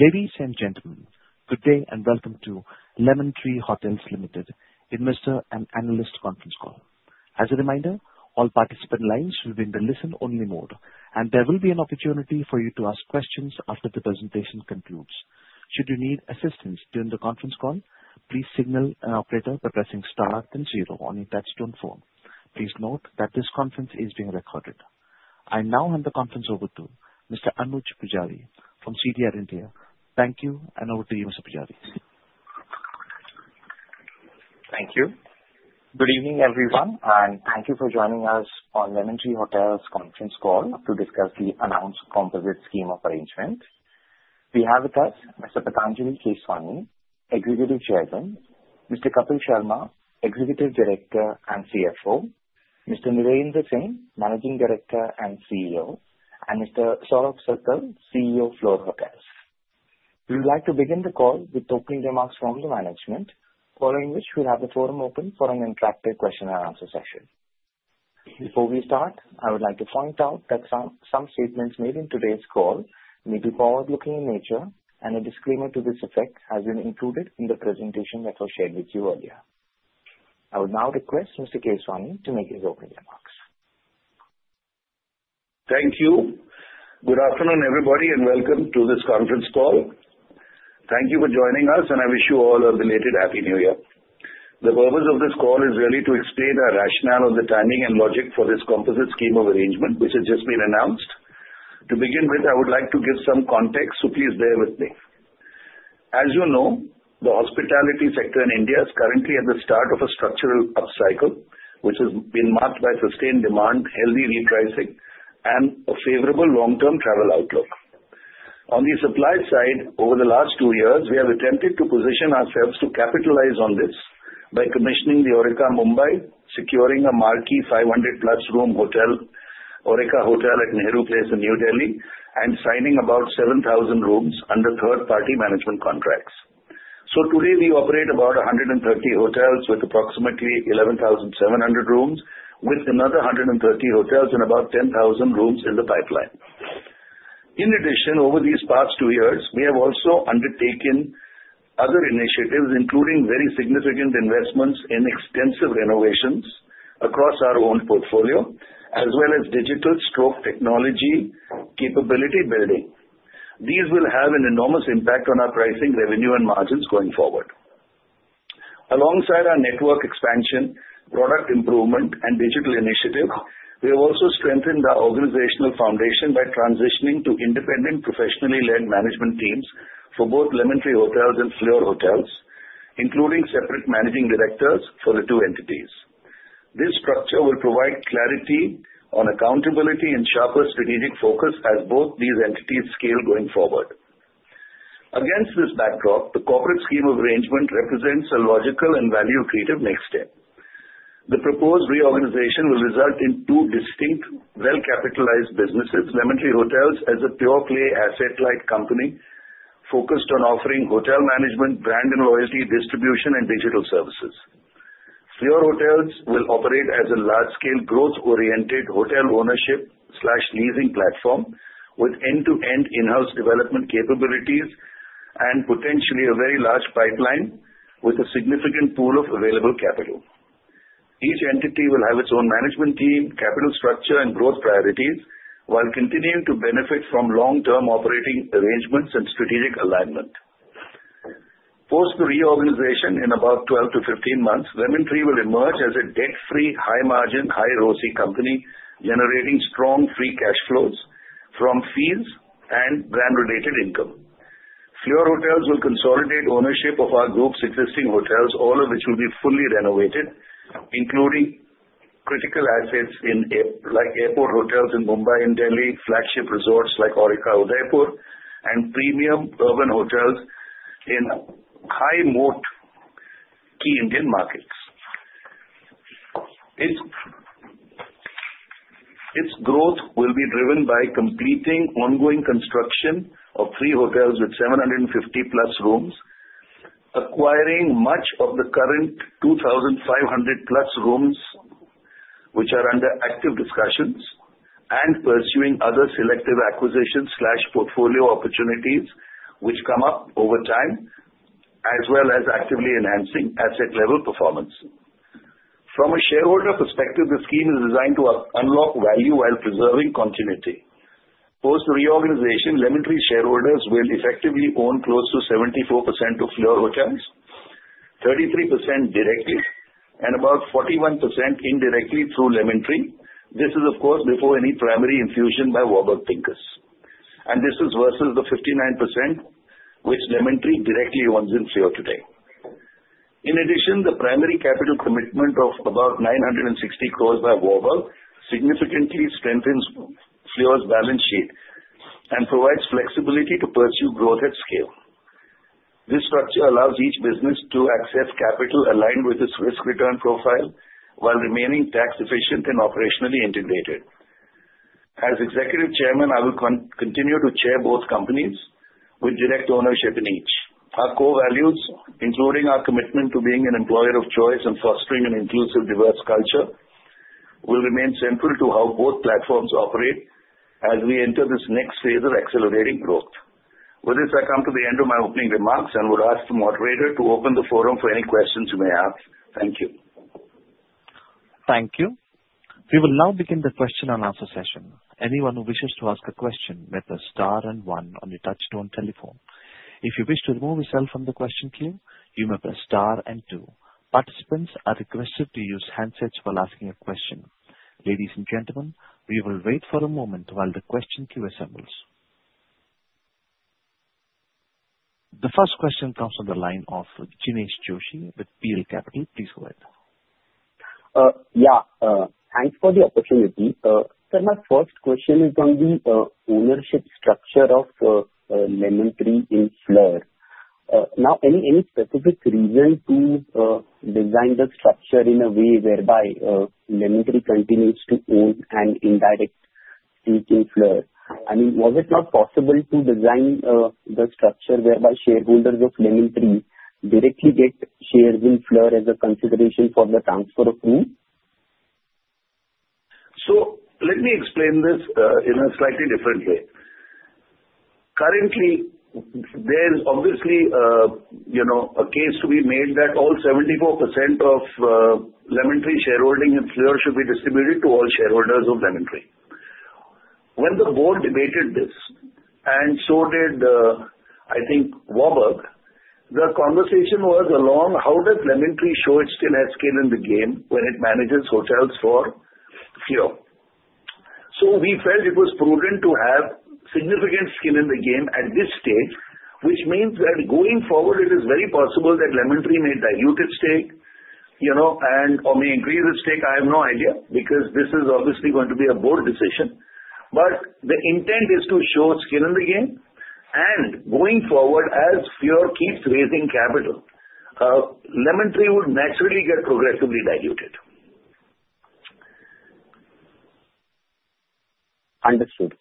Ladies and gentlemen, good day and welcome to Lemon Tree Hotels Limited Investor and Analyst Conference Call. As a reminder, all participant lines will be in the listen-only mode, and there will be an opportunity for you to ask questions after the presentation concludes. Should you need assistance during the conference call, please signal an operator by pressing star then zero on your touch-tone phone. Please note that this conference is being recorded. I now hand the conference over to Mr. Anuj Pujari from CDR India. Thank you, and over to you, Mr. Pujari. Thank you. Good evening, everyone, and thank you for joining us on Lemon Tree Hotels' Conference Call to discuss the announced composite scheme of arrangements. We have with us Mr. Patanjali Keswani, Executive Chairman, Mr. Kapil Sharma, Executive Director and CFO, Mr. Vikramjit Singh, Managing Director and CEO, and Mr. Saurabh Sarkar, CEO, Fleur Hotels. We would like to begin the call with opening remarks from the management, following which we'll have the forum open for an interactive question-and-answer session. Before we start, I would like to point out that some statements made in today's call may be forward-looking in nature, and a disclaimer to this effect has been included in the presentation that was shared with you earlier. I would now request Mr. Keswani to make his opening remarks. Thank you. Good afternoon, everybody, and welcome to this conference call. Thank you for joining us, and I wish you all a belated Happy New Year. The purpose of this call is really to explain our rationale on the timing and logic for this composite scheme of arrangement, which has just been announced. To begin with, I would like to give some context, so please bear with me. As you know, the hospitality sector in India is currently at the start of a structural upcycle, which has been marked by sustained demand, healthy repricing, and a favorable long-term travel outlook. On the supply side, over the last two years, we have attempted to position ourselves to capitalize on this by commissioning the Aurika Mumbai, securing a marquee 500-plus room hotel, Aurika Hotel at Nehru Place in New Delhi, and signing about 7,000 rooms under third-party management contracts. Today, we operate about 130 hotels with approximately 11,700 rooms, with another 130 hotels and about 10,000 rooms in the pipeline. In addition, over these past two years, we have also undertaken other initiatives, including very significant investments in extensive renovations across our own portfolio, as well as digital and technology capability building. These will have an enormous impact on our pricing, revenue, and margins going forward. Alongside our network expansion, product improvement, and digital initiatives, we have also strengthened our organizational foundation by transitioning to independent professionally led management teams for both Lemon Tree Hotels and Fleur Hotels, including separate managing directors for the two entities. This structure will provide clarity on accountability and sharper strategic focus as both these entities scale going forward. Against this backdrop, the corporate scheme of arrangement represents a logical and value-creative next step. The proposed reorganization will result in two distinct, well-capitalized businesses: Lemon Tree Hotels as a pure-play asset-light company focused on offering hotel management, brand and loyalty distribution, and digital services. Fleur Hotels will operate as a large-scale growth-oriented hotel ownership/leasing platform with end-to-end in-house development capabilities and potentially a very large pipeline with a significant pool of available capital. Each entity will have its own management team, capital structure, and growth priorities while continuing to benefit from long-term operating arrangements and strategic alignment. Post the reorganization, in about 12-15 months, Lemon Tree will emerge as a debt-free, high-margin, high-ROCE company, generating strong free cash flows from fees and brand-related income. Fleur Hotels will consolidate ownership of our group's existing hotels, all of which will be fully renovated, including critical assets like airport hotels in Mumbai and Delhi, flagship resorts like Aurika Udaipur, and premium urban hotels in high-growth key Indian markets. Its growth will be driven by completing ongoing construction of three hotels with 750-plus rooms, acquiring much of the current 2,500-plus rooms, which are under active discussions, and pursuing other selective acquisitions/portfolio opportunities, which come up over time, as well as actively enhancing asset-level performance. From a shareholder perspective, the scheme is designed to unlock value while preserving continuity. Post the reorganization, Lemon Tree shareholders will effectively own close to 74% of Fleur Hotels, 33% directly, and about 41% indirectly through Lemon Tree. This is, of course, before any primary infusion by Warburg Pincus. This is versus the 59% which Lemon Tree directly owns in Fleur today. In addition, the primary capital commitment of about 960 crores by Warburg significantly strengthens Fleur's balance sheet and provides flexibility to pursue growth at scale. This structure allows each business to access capital aligned with its risk-return profile while remaining tax-efficient and operationally integrated. As Executive Chairman, I will continue to chair both companies with direct ownership in each. Our core values, including our commitment to being an employer of choice and fostering an inclusive, diverse culture, will remain central to how both platforms operate as we enter this next phase of accelerating growth. With this, I come to the end of my opening remarks and would ask the moderator to open the forum for any questions you may have. Thank you. Thank you. We will now begin the question and answer session. Anyone who wishes to ask a question may press star and one on the touch-tone telephone. If you wish to remove yourself from the question queue, you may press star and two. Participants are requested to use handsets while asking a question. Ladies and gentlemen, we will wait for a moment while the question queue assembles. The first question comes from the line of Jinesh Joshi with Prabhudas Lilladher. Please go ahead. Yeah. Thanks for the opportunity. Sir, my first question is on the ownership structure of Lemon Tree in Fleur. Now, any specific reason to design the structure in a way whereby Lemon Tree continues to own an indirect stake in Fleur? I mean, was it not possible to design the structure whereby shareholders of Lemon Tree directly get shares in Fleur as a consideration for the transfer of rooms? So let me explain this in a slightly different way. Currently, there's obviously a case to be made that all 74% of Lemon Tree shareholding in Fleur should be distributed to all shareholders of Lemon Tree. When the board debated this, and so did, I think, Warburg, the conversation was along, how does Lemon Tree show its skill at skin in the game when it manages hotels for Fleur? So we felt it was prudent to have significant skin in the game at this stage, which means that going forward, it is very possible that Lemon Tree may dilute its stake or may increase its stake. I have no idea because this is obviously going to be a board decision. But the intent is to show skin in the game. And going forward, as Fleur keeps raising capital, Lemon Tree would naturally get progressively diluted. Understood.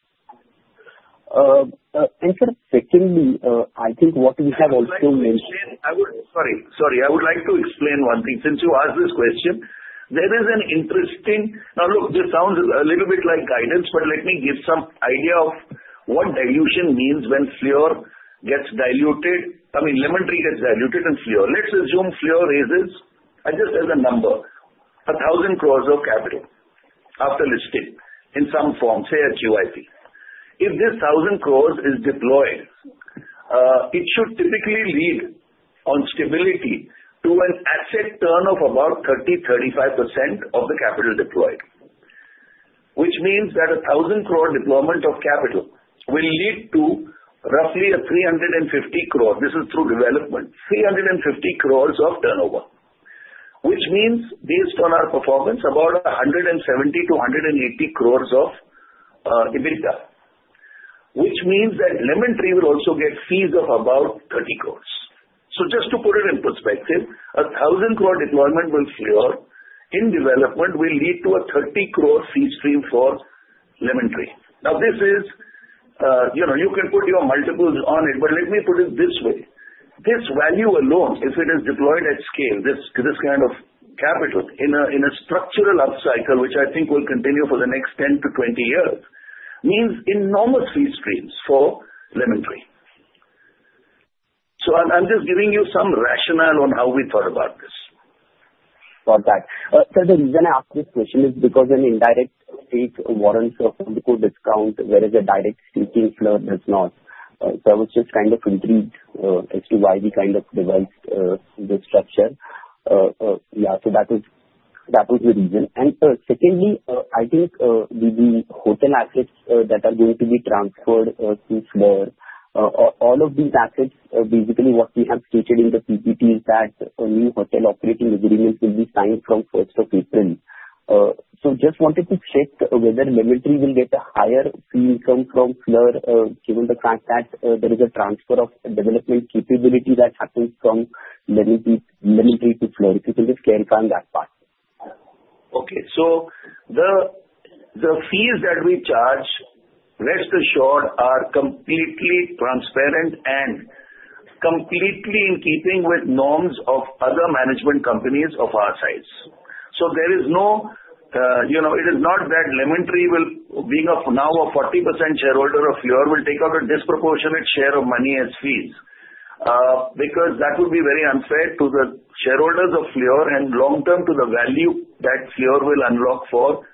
In fact, secondly, I think what we have also mentioned. Sorry. Sorry. I would like to explain one thing. Since you asked this question, there is an interesting, now look, this sounds a little bit like guidance, but let me give some idea of what dilution means when Fleur gets diluted. I mean, Lemon Tree gets diluted in Fleur. Let's assume Fleur raises, just as a number, 1,000 crores of capital after listing in some form, say, at QIP. If this 1,000 crores is deployed, it should typically lead on stability to an asset turn of about 30%-35% of the capital deployed, which means that 1,000 crore deployment of capital will lead to roughly 350 crores, this is through development, 350 crores of turnover, which means, based on our performance, about 170-180 crores of EBITDA, which means that Lemon Tree will also get fees of about 30 crores. So just to put it in perspective, 1,000 crore deployment with Fleur in development will lead to a 30-crore fee stream for Lemon Tree. Now, this is. You can put your multiples on it, but let me put it this way. This value alone, if it is deployed at scale, this kind of capital in a structural upcycle, which I think will continue for the next 10-20 years, means enormous fee streams for Lemon Tree. So I'm just giving you some rationale on how we thought about this. Sir, the reason I asked this question is because an indirect stake warrants a physical discount, whereas a direct stake in Fleur does not. So I was just kind of intrigued as to why we kind of devised this structure. Yeah, so that was the reason. And secondly, I think the hotel assets that are going to be transferred to Fleur, all of these assets, basically what we have stated in the PPT is that new hotel operating agreements will be signed from 1st of April. So just wanted to check whether Lemon Tree will get a higher fee income from Fleur, given the fact that there is a transfer of development capability that happens from Lemon Tree to Fleur. If you can just clarify on that part. Okay. So the fees that we charge, rest assured, are completely transparent and completely in keeping with norms of other management companies of our size. So there is no, it is not that Lemon Tree, being now a 40% shareholder of Fleur, will take out a disproportionate share of money as fees because that would be very unfair to the shareholders of Fleur and long-term to the value that Fleur will unlock for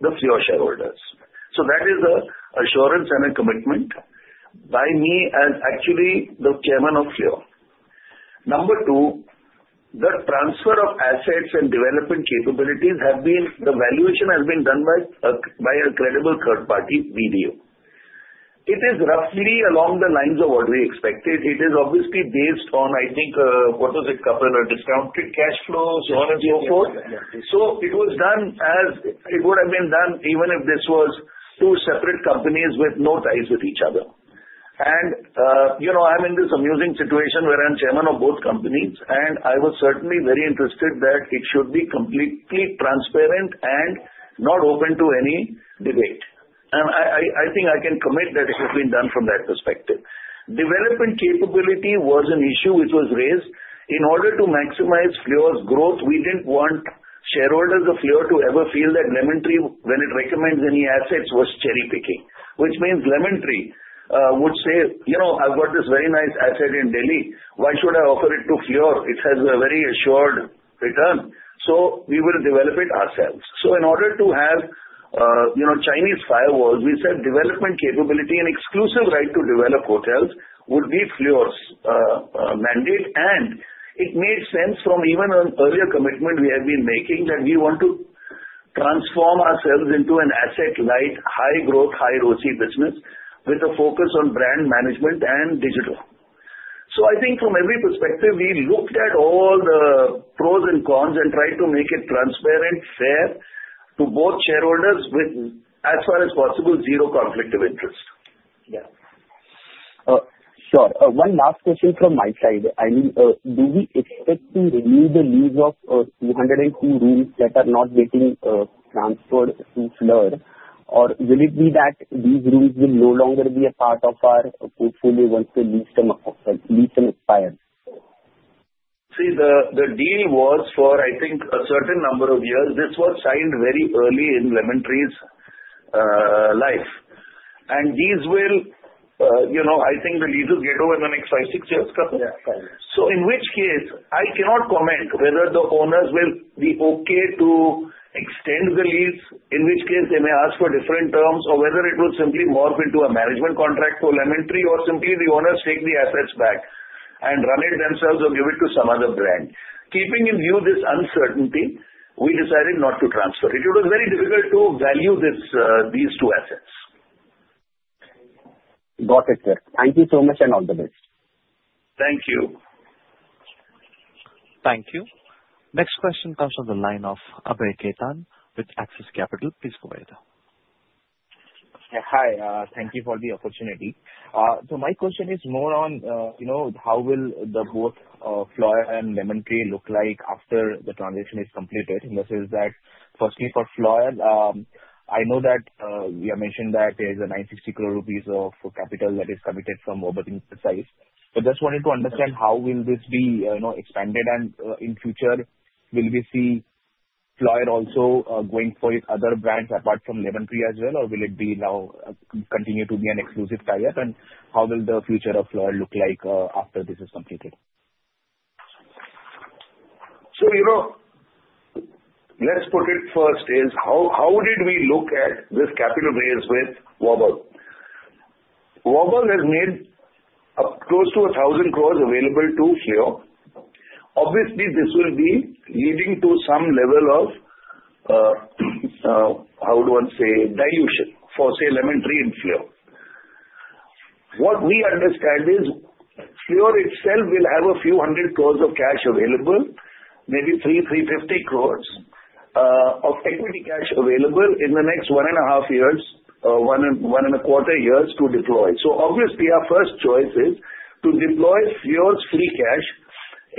the Fleur shareholders. So that is an assurance and a commitment by me as actually the chairman of Fleur. Number two, the transfer of assets and development capabilities have been, the valuation has been done by a credible third-party BDO. It is roughly along the lines of what we expected. It is obviously based on, I think, what was it, Kapil? Discounted cash flows, so on and so forth. So it was done as it would have been done even if this was two separate companies with no ties with each other. And I'm in this amusing situation where I'm chairman of both companies, and I was certainly very interested that it should be completely transparent and not open to any debate. And I think I can commit that it has been done from that perspective. Development capability was an issue which was raised. In order to maximize Fleur's growth, we didn't want shareholders of Fleur to ever feel that Lemon Tree, when it recommends any assets, was cherry-picking, which means Lemon Tree would say, "I've got this very nice asset in Delhi. Why should I offer it to Fleur? It has a very assured return." So we will develop it ourselves. So in order to have Chinese walls, we said development capability and exclusive right to develop hotels would be Fleur's mandate. And it made sense from even an earlier commitment we have been making that we want to transform ourselves into an asset-light, high-growth, high-ROCE business with a focus on brand management and digital. So I think from every perspective, we looked at all the pros and cons and tried to make it transparent, fair to both shareholders, with, as far as possible, zero conflict of interest. Yeah. Sure. One last question from my side. I mean, do we expect to renew the lease of 202 rooms that are not getting transferred to Fleur, or will it be that these rooms will no longer be a part of our portfolio once the lease expires? See, the deal was for, I think, a certain number of years. This was signed very early in Lemon Tree's life and these will, I think, the leases get over in the next five, six years, Kapil, so in which case, I cannot comment whether the owners will be okay to extend the lease, in which case they may ask for different terms, or whether it will simply morph into a management contract for Lemon Tree, or simply the owners take the assets back and run it themselves or give it to some other brand. Keeping in view this uncertainty, we decided not to transfer it. It was very difficult to value these two assets. Got it, sir. Thank you so much and all the best. Thank you. Thank you. Next question comes from the line of Abhay Khaitan with Axis Capital. Please go ahead. Yeah. Hi. Thank you for the opportunity. So my question is more on how will both Fleur and Lemon Tree look like after the transaction is completed? And, firstly, for Fleur, I know that you mentioned that there's 960 crore rupees of capital that is committed from Warburg's side. So just wanted to understand how will this be expanded? And in future, will we see Fleur also going for other brands apart from Lemon Tree as well, or will it now continue to be an exclusive tie-up? And how will the future of Fleur look like after this is completed? So let's put it first is how did we look at this capital raise with Warburg? Warburg has made close to 1,000 crores available to Fleur. Obviously, this will be leading to some level of, how do I say, dilution for, say, Lemon Tree and Fleur. What we understand is Fleur itself will have a few hundred crores of cash available, maybe 300-350 crores of equity cash available in the next one and a half years, one and a quarter years to deploy. So obviously, our first choice is to deploy Fleur's free cash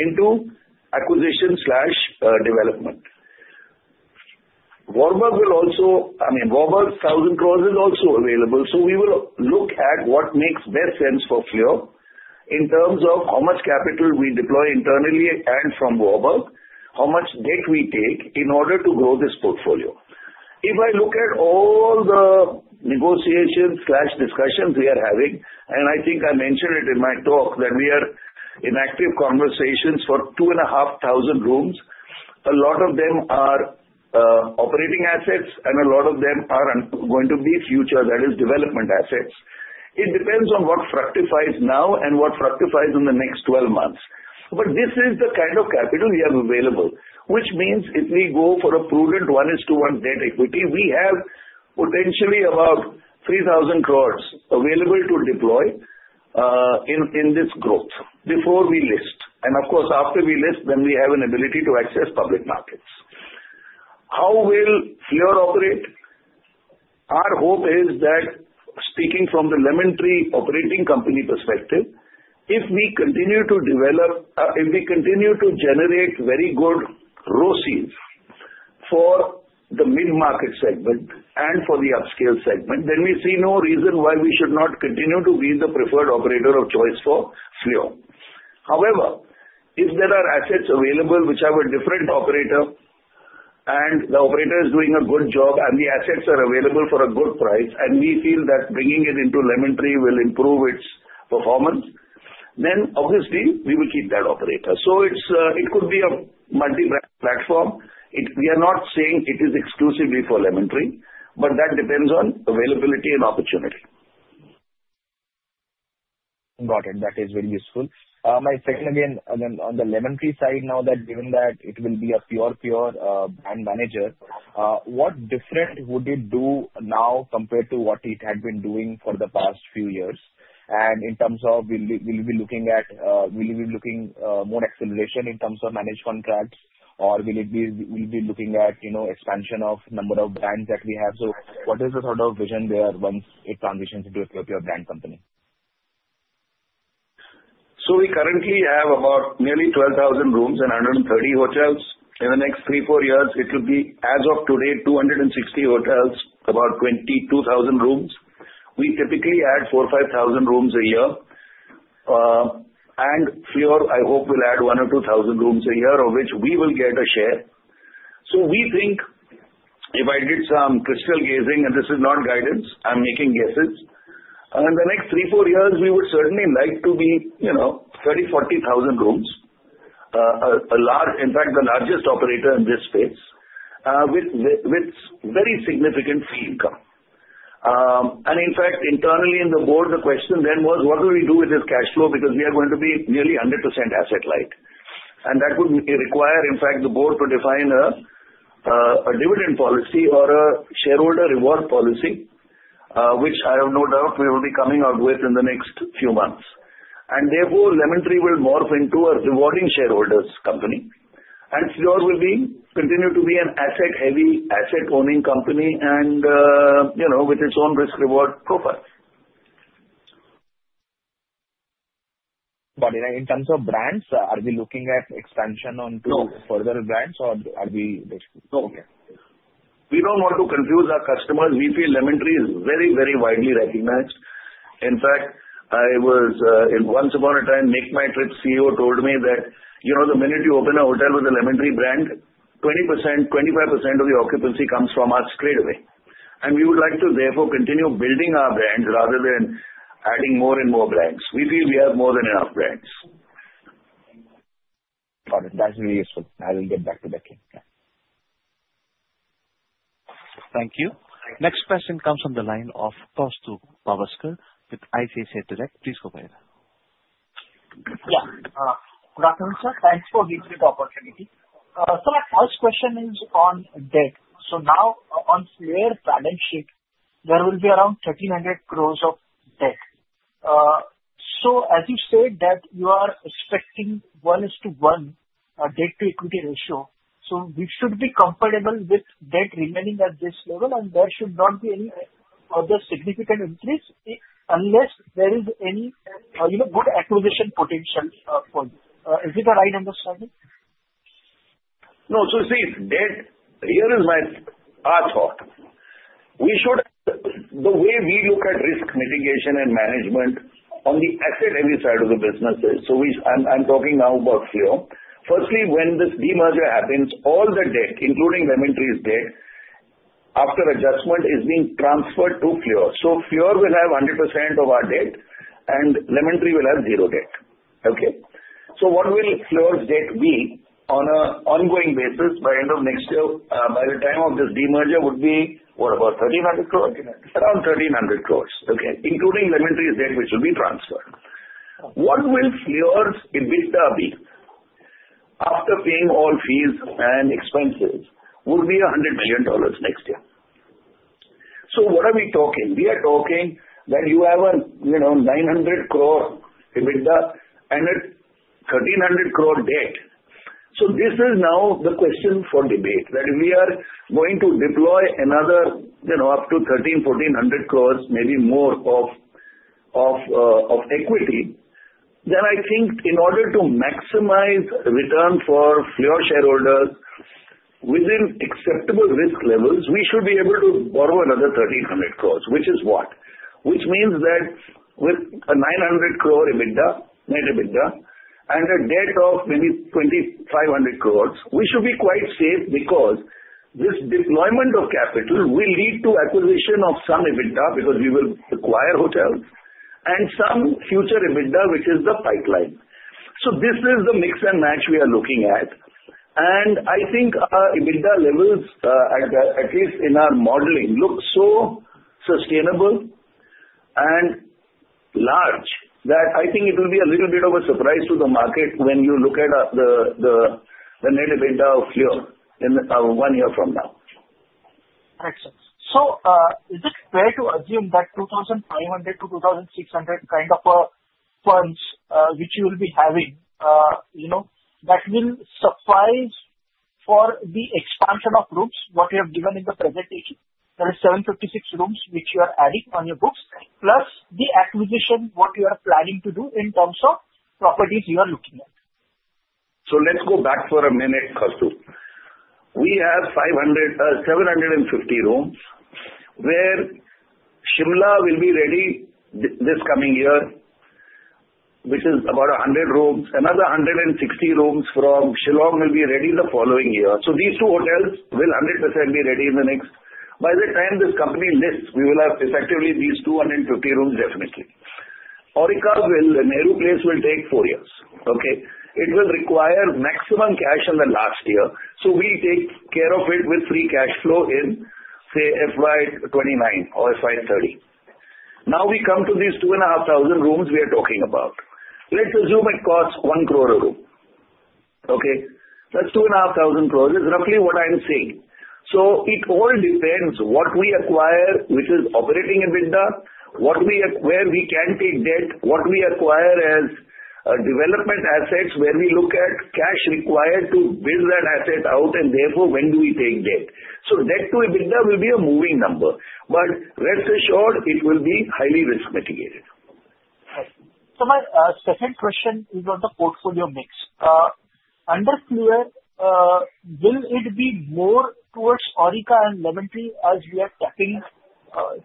into acquisition/development. Warburg will also, I mean, Warburg's 1,000 crores is also available. So we will look at what makes best sense for Fleur in terms of how much capital we deploy internally and from Warburg, how much debt we take in order to grow this portfolio. If I look at all the negotiations and discussions we are having, and I think I mentioned it in my talk that we are in active conversations for 2,500 rooms, a lot of them are operating assets, and a lot of them are going to be future, that is, development assets. It depends on what fructifies now and what fructifies in the next 12 months. But this is the kind of capital we have available, which means if we go for a prudent 1:1 debt equity, we have potentially about 3,000 crores available to deploy in this growth before we list. And of course, after we list, then we have an ability to access public markets. How will Fleur operate? Our hope is that, speaking from the Lemon Tree operating company perspective, if we continue to develop, if we continue to generate very good ROCEs for the mid-market segment and for the upscale segment, then we see no reason why we should not continue to be the preferred operator of choice for Fleur. However, if there are assets available which have a different operator, and the operator is doing a good job, and the assets are available for a good price, and we feel that bringing it into Lemon Tree will improve its performance, then obviously, we will keep that operator. So it could be a multi-brand platform. We are not saying it is exclusively for Lemon Tree, but that depends on availability and opportunity. Got it. That is very useful. My second again, on the Lemon Tree side, now that given that it will be a pure, pure brand manager, what different would it do now compared to what it had been doing for the past few years? And in terms of, will we be looking more acceleration in terms of managed contracts, or will we be looking at expansion of number of brands that we have? So what is the sort of vision there once it transitions into a pure, pure brand company? So we currently have about nearly 12,000 rooms and 130 hotels. In the next three, four years, it will be, as of today, 260 hotels, about 22,000 rooms. We typically add 4,000, 5,000 rooms a year. And Fleur, I hope, will add 1,000 or 2,000 rooms a year, of which we will get a share. So we think if I did some crystal gazing, and this is not guidance, I'm making guesses. In the next three, four years, we would certainly like to be 30,000, 40,000 rooms, in fact, the largest operator in this space with very significant fee income. And in fact, internally in the board, the question then was, what do we do with this cash flow? Because we are going to be nearly 100% asset-light. And that would require, in fact, the board to define a dividend policy or a shareholder reward policy, which I have no doubt we will be coming out with in the next few months. And therefore, Lemon Tree will morph into a rewarding shareholders' company. And Fleur will continue to be an asset-heavy, asset-owning company with its own risk-reward profile. Got it. And in terms of brands, are we looking at expansion onto further brands, or are we? No. We don't want to confuse our customers. We feel Lemon Tree is very, very widely recognized. In fact, once upon a time, Nikhil, MakeMyTrip CEO, told me that the minute you open a hotel with a Lemon Tree brand, 20%, 25% of the occupancy comes from us straight away, and we would like to therefore continue building our brands rather than adding more and more brands. We feel we have more than enough brands. Got it. That's very useful. I will get back to that. Thank you. Next question comes from the line of Tejasvi Bhargava with ICICI Direct. Please go ahead. Yeah. Good afternoon, sir. Thanks for the opportunity. So my first question is on debt. So now, on Fleur's balance sheet, there will be around 1,300 crores of debt. So as you said, that you are expecting 1:1 debt-to-equity ratio. So we should be compatible with debt remaining at this level, and there should not be any other significant increase unless there is any good acquisition potential for you. Is it the right understanding? No. So see, debt, here is my thought. The way we look at risk mitigation and management on the asset-heavy side of the business, so I'm talking now about Fleur, firstly, when this demerger happens, all the debt, including Lemon Tree's debt, after adjustment, is being transferred to Fleur. So Fleur will have 100% of our debt, and Lemon Tree will have zero debt. Okay? So what will Fleur's debt be on an ongoing basis by the end of next year, by the time of this demerger, would be what? About 1,300 crores? Around 1,300 crores. Okay. Including Lemon Tree's debt, which will be transferred. What will Fleur's EBITDA be after paying all fees and expenses? It would be $100 million next year. So what are we talking? We are talking that you have a 900 crore EBITDA and a 1,300 crore debt. So this is now the question for debate that if we are going to deploy another up to 1,300, 1,400 crores, maybe more of equity, then I think in order to maximize return for Fleur shareholders within acceptable risk levels, we should be able to borrow another 1,300 crores, which is what? Which means that with a 900 crore EBITDA, net EBITDA, and a debt of maybe 2,500 crores, we should be quite safe because this deployment of capital will lead to acquisition of some EBITDA because we will acquire hotels and some future EBITDA, which is the pipeline. So this is the mix and match we are looking at. I think our EBITDA levels, at least in our modeling, look so sustainable and large that I think it will be a little bit of a surprise to the market when you look at the net EBITDA of Fleur one year from now. Excellent. So is it fair to assume that 2,500 to 2,600 kind of a funds which you will be having that will suffice for the expansion of rooms? What you have given in the presentation, there are 756 rooms which you are adding on your books, plus the acquisition what you are planning to do in terms of properties you are looking at? So let's go back for a minute, Tejasvi. We have 750 rooms where Shimla will be ready this coming year, which is about 100 rooms. Another 160 rooms from Shillong will be ready the following year. These two hotels will 100% be ready in the next by the time this company lists. We will have effectively these 250 rooms definitely. Aurika, the Nehru Place, will take four years. Okay? It will require maximum cash in the last year. So we take care of it with free cash flow in, say, FY 2029 or FY 2030. Now we come to these 2,500 rooms we are talking about. Let's assume it costs 1 crore a room. Okay? That's 2,500 crores, which is roughly what I'm seeing. So it all depends what we acquire, which is operating EBITDA, where we can take debt, what we acquire as development assets where we look at cash required to build that asset out, and therefore, when do we take debt? So debt to EBITDA will be a moving number. But rest assured, it will be highly risk mitigated. My second question is on the portfolio mix. Under Fleur, will it be more towards Aurika and Lemon Tree as we are tapping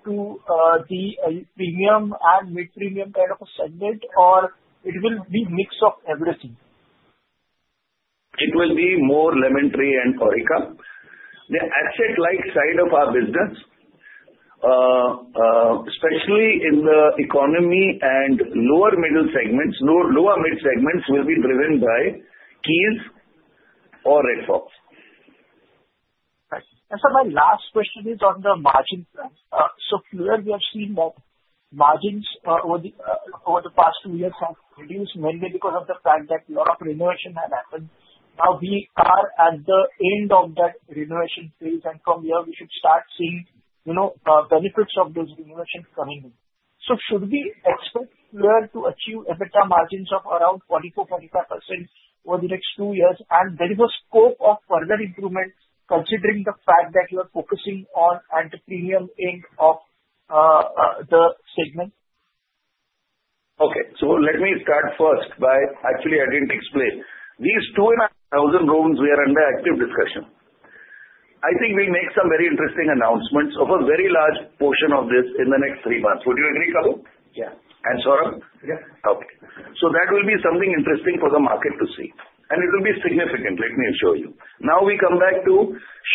to the premium and mid-premium kind of a segment, or it will be a mix of everything? It will be more Lemon Tree and Aurika. The asset-light side of our business, especially in the economy and lower middle segments, lower mid segments, will be driven by Keys or Red Fox. And so my last question is on the margin plans. So Fleur, we have seen that margins over the past two years have reduced mainly because of the fact that a lot of renovation has happened. Now we are at the end of that renovation phase, and from here, we should start seeing benefits of those renovations coming in. So should we expect Fleur to achieve EBITDA margins of around 44%-45% over the next two years and with a scope of further improvement considering the fact that you are focusing on the premium end of the segment? Okay, so let me start first by actually adding to explain. These 2,500 rooms we are under active discussion. I think we'll make some very interesting announcements of a very large portion of this in the next three months. Would you agree, Kunal? Yeah. And Saurabh? Yeah. Okay. So that will be something interesting for the market to see, and it will be significant. Let me assure you. Now we come back to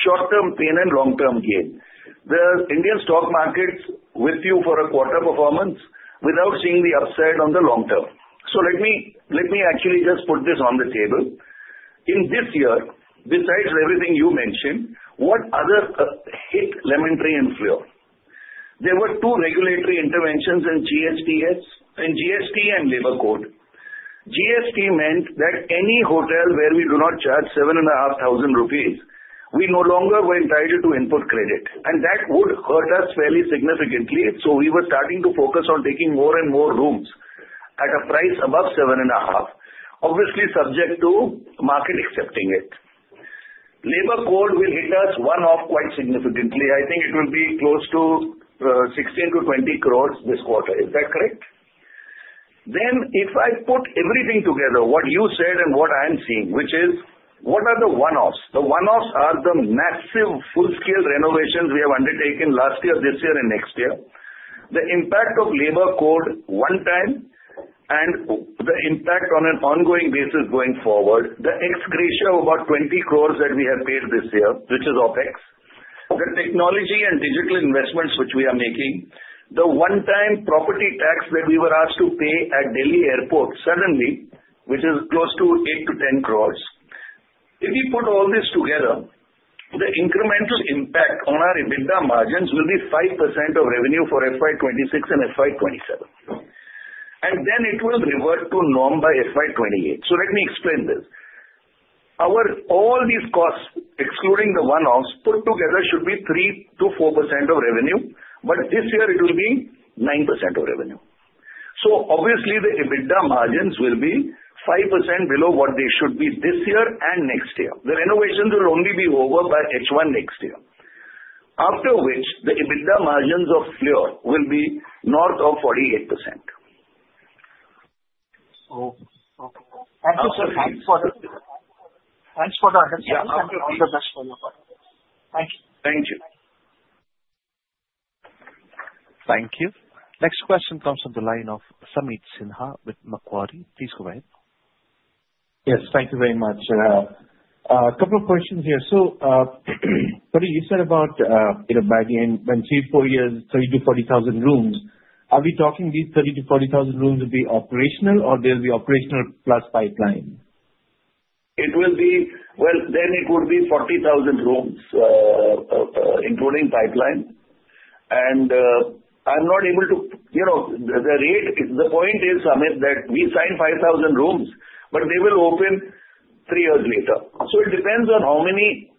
short-term pain and long-term gain. The Indian stock markets with you for a quarter performance without seeing the upside on the long term, so let me actually just put this on the table. In this year, besides everything you mentioned, what other hit Lemon Tree and Fleur? There were two regulatory interventions in GST and Code on Wages. GST meant that any hotel where we do not charge 7,500 rupees, we no longer were entitled to input tax credit. And that would hurt us fairly significantly. So we were starting to focus on taking more and more rooms at a price above 7,500, obviously subject to market accepting it. Code on Wages will hit us one-off quite significantly. I think it will be close to 16-20 crores this quarter. Is that correct? Then if I put everything together, what you said and what I'm seeing, which is what are the one-offs? The one-offs are the massive full-scale renovations we have undertaken last year, this year, and next year. The impact of Code on Wages one time and the impact on an ongoing basis going forward, the expenditure of about 20 crores that we have paid this year, which is OPEX, the technology and digital investments which we are making, the one-time property tax that we were asked to pay at Delhi Airport suddenly, which is close to 8-10 crores. If you put all this together, the incremental impact on our EBITDA margins will be 5% of revenue for FY 26 and FY 27. And then it will revert to norm by FY 28. So let me explain this. All these costs, excluding the one-offs, put together should be 3%-4% of revenue, but this year it will be 9% of revenue. So obviously, the EBITDA margins will be 5% below what they should be this year and next year. The renovations will only be over by H1 next year, after which the EBITDA margins of Fleur will be north of 48%. Okay. Thank you so much. Thanks for the answer. All the best from your part. Thank you. Thank you. Thank you. Next question comes from the line of Sumit Sinha with Macquarie. Please go ahead. Yes. Thank you very much. A couple of questions here. So Kunal, you said about back in when three, four years, 30,000-40,000 rooms, are we talking these 30,000-40,000 rooms will be operational, or they'll be operational plus pipeline? It will be, well then, it would be 40,000 rooms including pipeline. I'm not able to. The point is, Sumit, that we signed 5,000 rooms, but they will open three years later. It depends on how many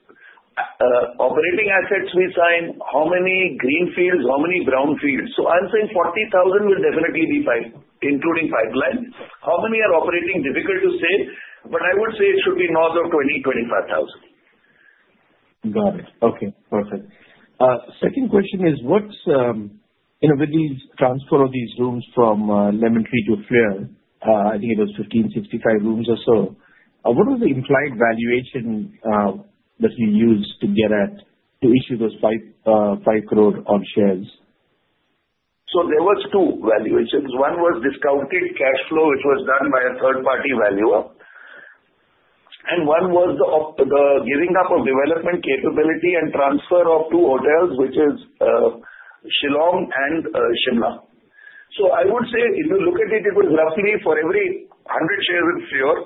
operating assets we sign, how many green fields, how many brown fields. I'm saying 40,000 will definitely be including pipeline. How many are operating? Difficult to say, but I would say it should be north of 20-25,000. Got it. Okay. Perfect. Second question is, with these transfer of these rooms from Lemon Tree to Fleur, I think it was 1,565 rooms or so. What was the implied valuation that you used to get at to issue those 5 crore on shares? So there were two valuations. One was discounted cash flow, which was done by a third-party valuer. And one was the giving up of development capability and transfer of two hotels, which is Shillong and Shimla. So I would say if you look at it, it was roughly for every 100 shares of Fleur,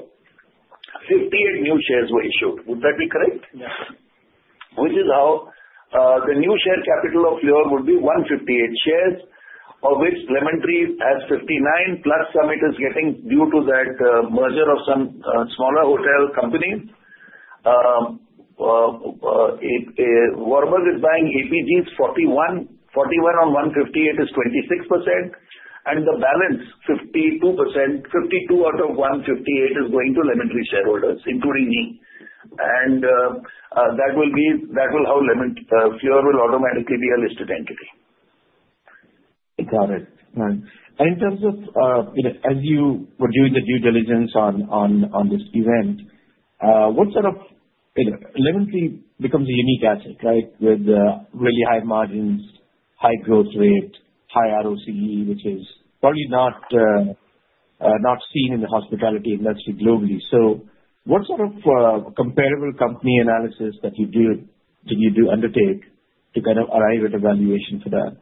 58 new shares were issued. Would that be correct? Yes. Which is how the new share capital of Fleur would be 158 shares, of which Lemon Tree has 59, plus Summit is getting due to that merger of some smaller hotel company. Warburg is buying APG's 41. 41 on 158 is 26%. And the balance, 52 out of 158 is going to Lemon Tree shareholders, including me. And that will be how Fleur will automatically be a listed entity. Got it. And in terms of, as you were doing the due diligence on this event, what sort of Lemon Tree becomes a unique asset, right, with really high margins, high growth rate, high ROCE, which is probably not seen in the hospitality industry globally. So what sort of comparable company analysis did you undertake to kind of arrive at a valuation for that?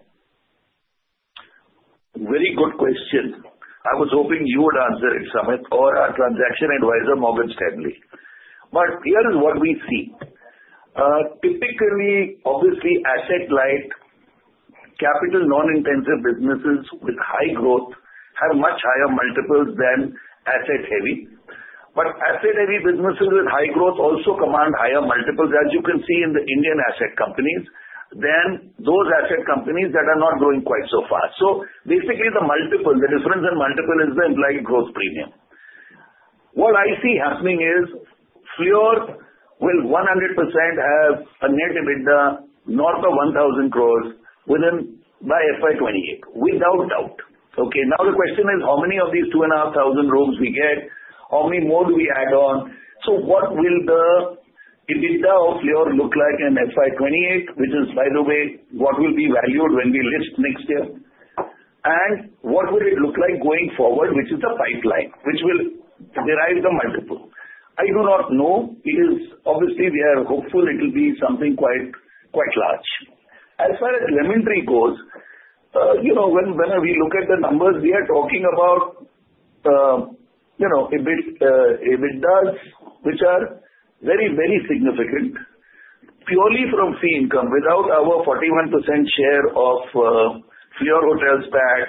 Very good question. I was hoping you would answer it, Sumit, or our transaction advisor, Morgan Stanley. But here is what we see. Typically, obviously, asset-light capital non-intensive businesses with high growth have much higher multiples than asset-heavy. But asset-heavy businesses with high growth also command higher multiples, as you can see in the Indian asset companies, than those asset companies that are not growing quite so fast. So basically, the difference in multiple is the implied growth premium. What I see happening is Fleur will 100% have a net EBITDA north of 1,000 crores by FY 2028, without doubt. Okay? Now the question is, how many of these 2,500 rooms we get? How many more do we add on? So what will the EBITDA of Fleur look like in FY 2028, which is, by the way, what will be valued when we list next year? And what will it look like going forward, which is the pipeline, which will derive the multiple? I do not know. Obviously, we are hopeful it will be something quite large. As far as Lemon Tree goes, whenever we look at the numbers, we are talking about EBITDAs, which are very, very significant purely from fee income without our 41% share of Fleur Hotels back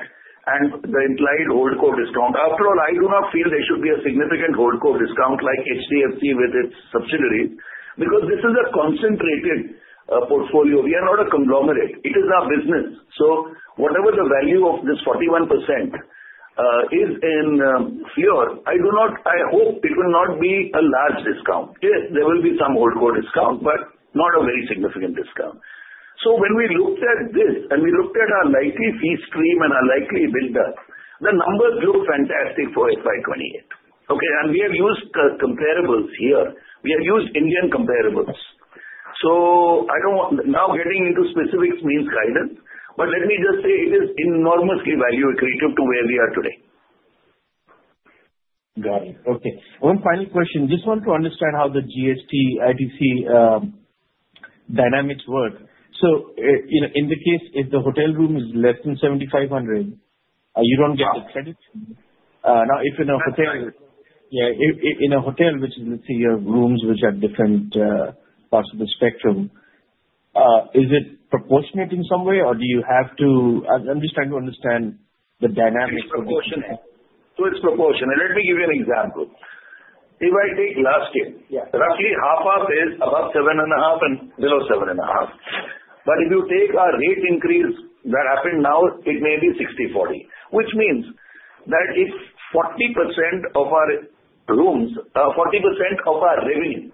and the implied Holdco discount. After all, I do not feel there should be a significant Holdco discount like HDFC with its subsidiaries because this is a concentrated portfolio. We are not a conglomerate. It is our business. So whatever the value of this 41% is in Fleur, I hope it will not be a large discount. Yes, there will be some Holdco discount, but not a very significant discount. So when we looked at this and we looked at our likely fee stream and our likely EBITDA, the numbers look fantastic for FY 28. Okay? And we have used comparables here. We have used Indian comparables. So now getting into specifics means guidance, but let me just say it is enormously value accretive to where we are today. Got it. Okay. One final question. Just want to understand how the GST, ITC dynamics work. So in the case, if the hotel room is less than 7,500, you don't get the credit? Now, if in a hotel, which is, let's say, your rooms which are different parts of the spectrum, is it proportionate in some way, or do you have to? I'm just trying to understand the dynamics of the proportionate. So it's proportionate. Let me give you an example. If I take last year, roughly half-half is above 7,500 and below 7,500. But if you take our rate increase that happened now, it may be 60, 40, which means that if 40% of our rooms, 40% of our revenue,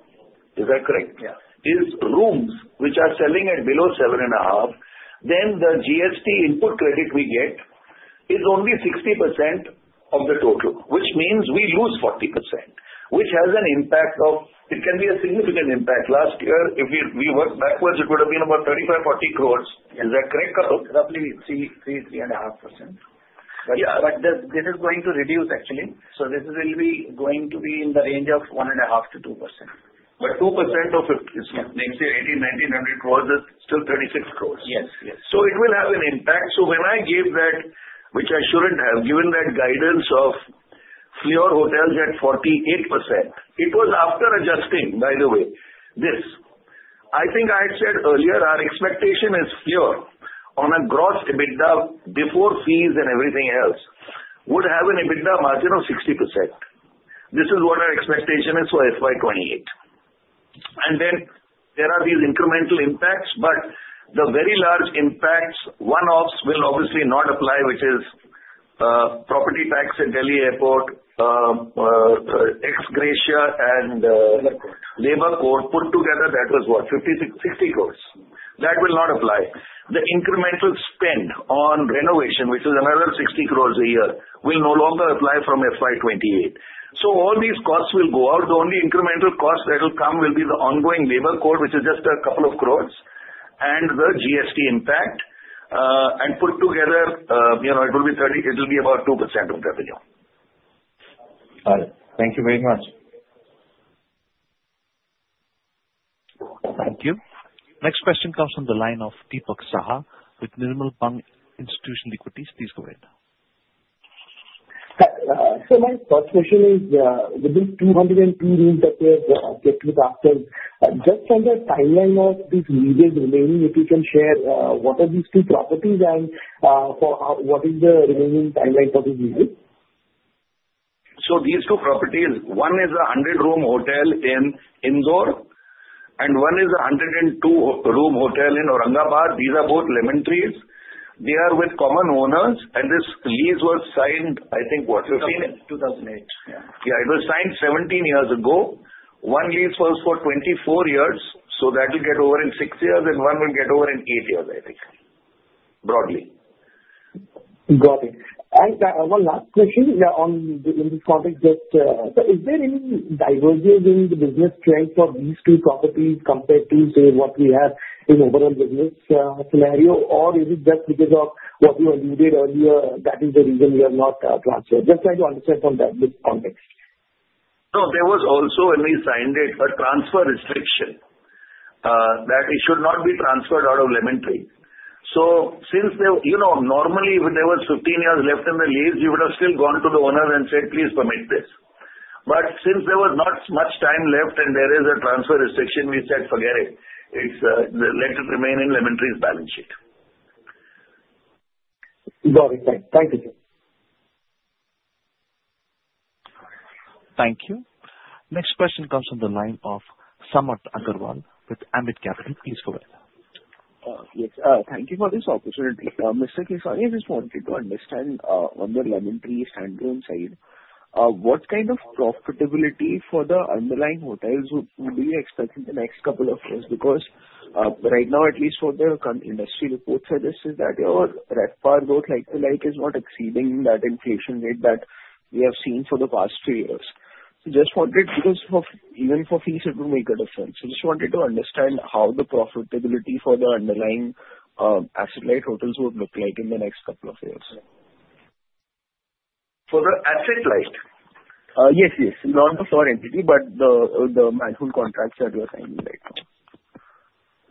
is that correct? Yeah. For rooms which are selling at below 7,500, then the GST input credit we get is only 60% of the total, which means we lose 40%, which has an impact. It can be a significant impact. Last year, if we work backwards, it would have been about 35-40 crores. Is that correct, Kunal? Roughly 3%-3.5%. But this is going to reduce, actually. So this will be going to be in the range of 1.5%-2%. But 2% of, let's say, 18, 19, 100 crores is still 36 crores. Yes. Yes. So it will have an impact. So when I gave that, which I shouldn't have, given that guidance of Fleur Hotels at 48%, it was after adjusting, by the way, this. I think I had said earlier, our expectation is Fleur on a gross EBITDA before fees and everything else would have an EBITDA margin of 60%. This is what our expectation is for FY 2028. And then there are these incremental impacts, but the very large impacts, one-offs will obviously not apply, which is property tax at Delhi Airport, ex-gratia, and Code on Wages put together, that was what? 60 crores. That will not apply. The incremental spend on renovation, which is another 60 crores a year, will no longer apply from FY 2028. So all these costs will go out. The only incremental cost that will come will be the ongoing Labor Code, which is just a couple of crores, and the GST impact, and put together, it will be about 2% of revenue. Got it. Thank you very much. Thank you. Next question comes from the line of Dipak Saha with Nirmal Bang Institutional Equities. Please go ahead. My first question is, with the 202 rooms that we have checked with after, just from the timeline of these leases remaining, if you can share what are these two properties and what is the remaining timeline for these leases? These two properties, one is a 100-room hotel in Indore, and one is a 102-room hotel in Aurangabad. These are both Lemon Trees. They are with common owners. And this lease was signed, I think, what? 2008. Yeah. It was signed 17 years ago. One lease was for 24 years. So that will get over in six years, and one will get over in eight years, I think, broadly. Got it. And one last question on this context, just is there any divergence in the business strength of these two properties compared to, say, what we have in overall business scenario, or is it just because of what you alluded earlier that is the reason we have not transferred? Just trying to understand from this context. No, there was also a lease signed date, a transfer restriction that it should not be transferred out of Lemon Tree. So since normally, if there was 15 years left in the lease, you would have still gone to the owner and said, "Please permit this." But since there was not much time left and there is a transfer restriction, we said, "Forget it. Let it remain in Lemon Tree's balance sheet. Got it. Thank you. Thank you. Next question comes from the line of Samarth Agarwal with Ambit Capital. Please go ahead. Yes. Thank you for this opportunity. Mr. Keswani, I just wanted to understand on the Lemon Tree standalone side, what kind of profitability for the underlying hotels would you expect in the next couple of years? Because right now, at least from the industry reports, it is that your RevPAR, though, like-for-like is not exceeding that inflation rate that we have seen for the past few years. So just wanted, even for fees, it will make a difference. So just wanted to understand how the profitability for the underlying asset-light hotels would look like in the next couple of years. For the asset-light? Yes, yes. Not for equity, but the management and franchise contracts that you are signing right now.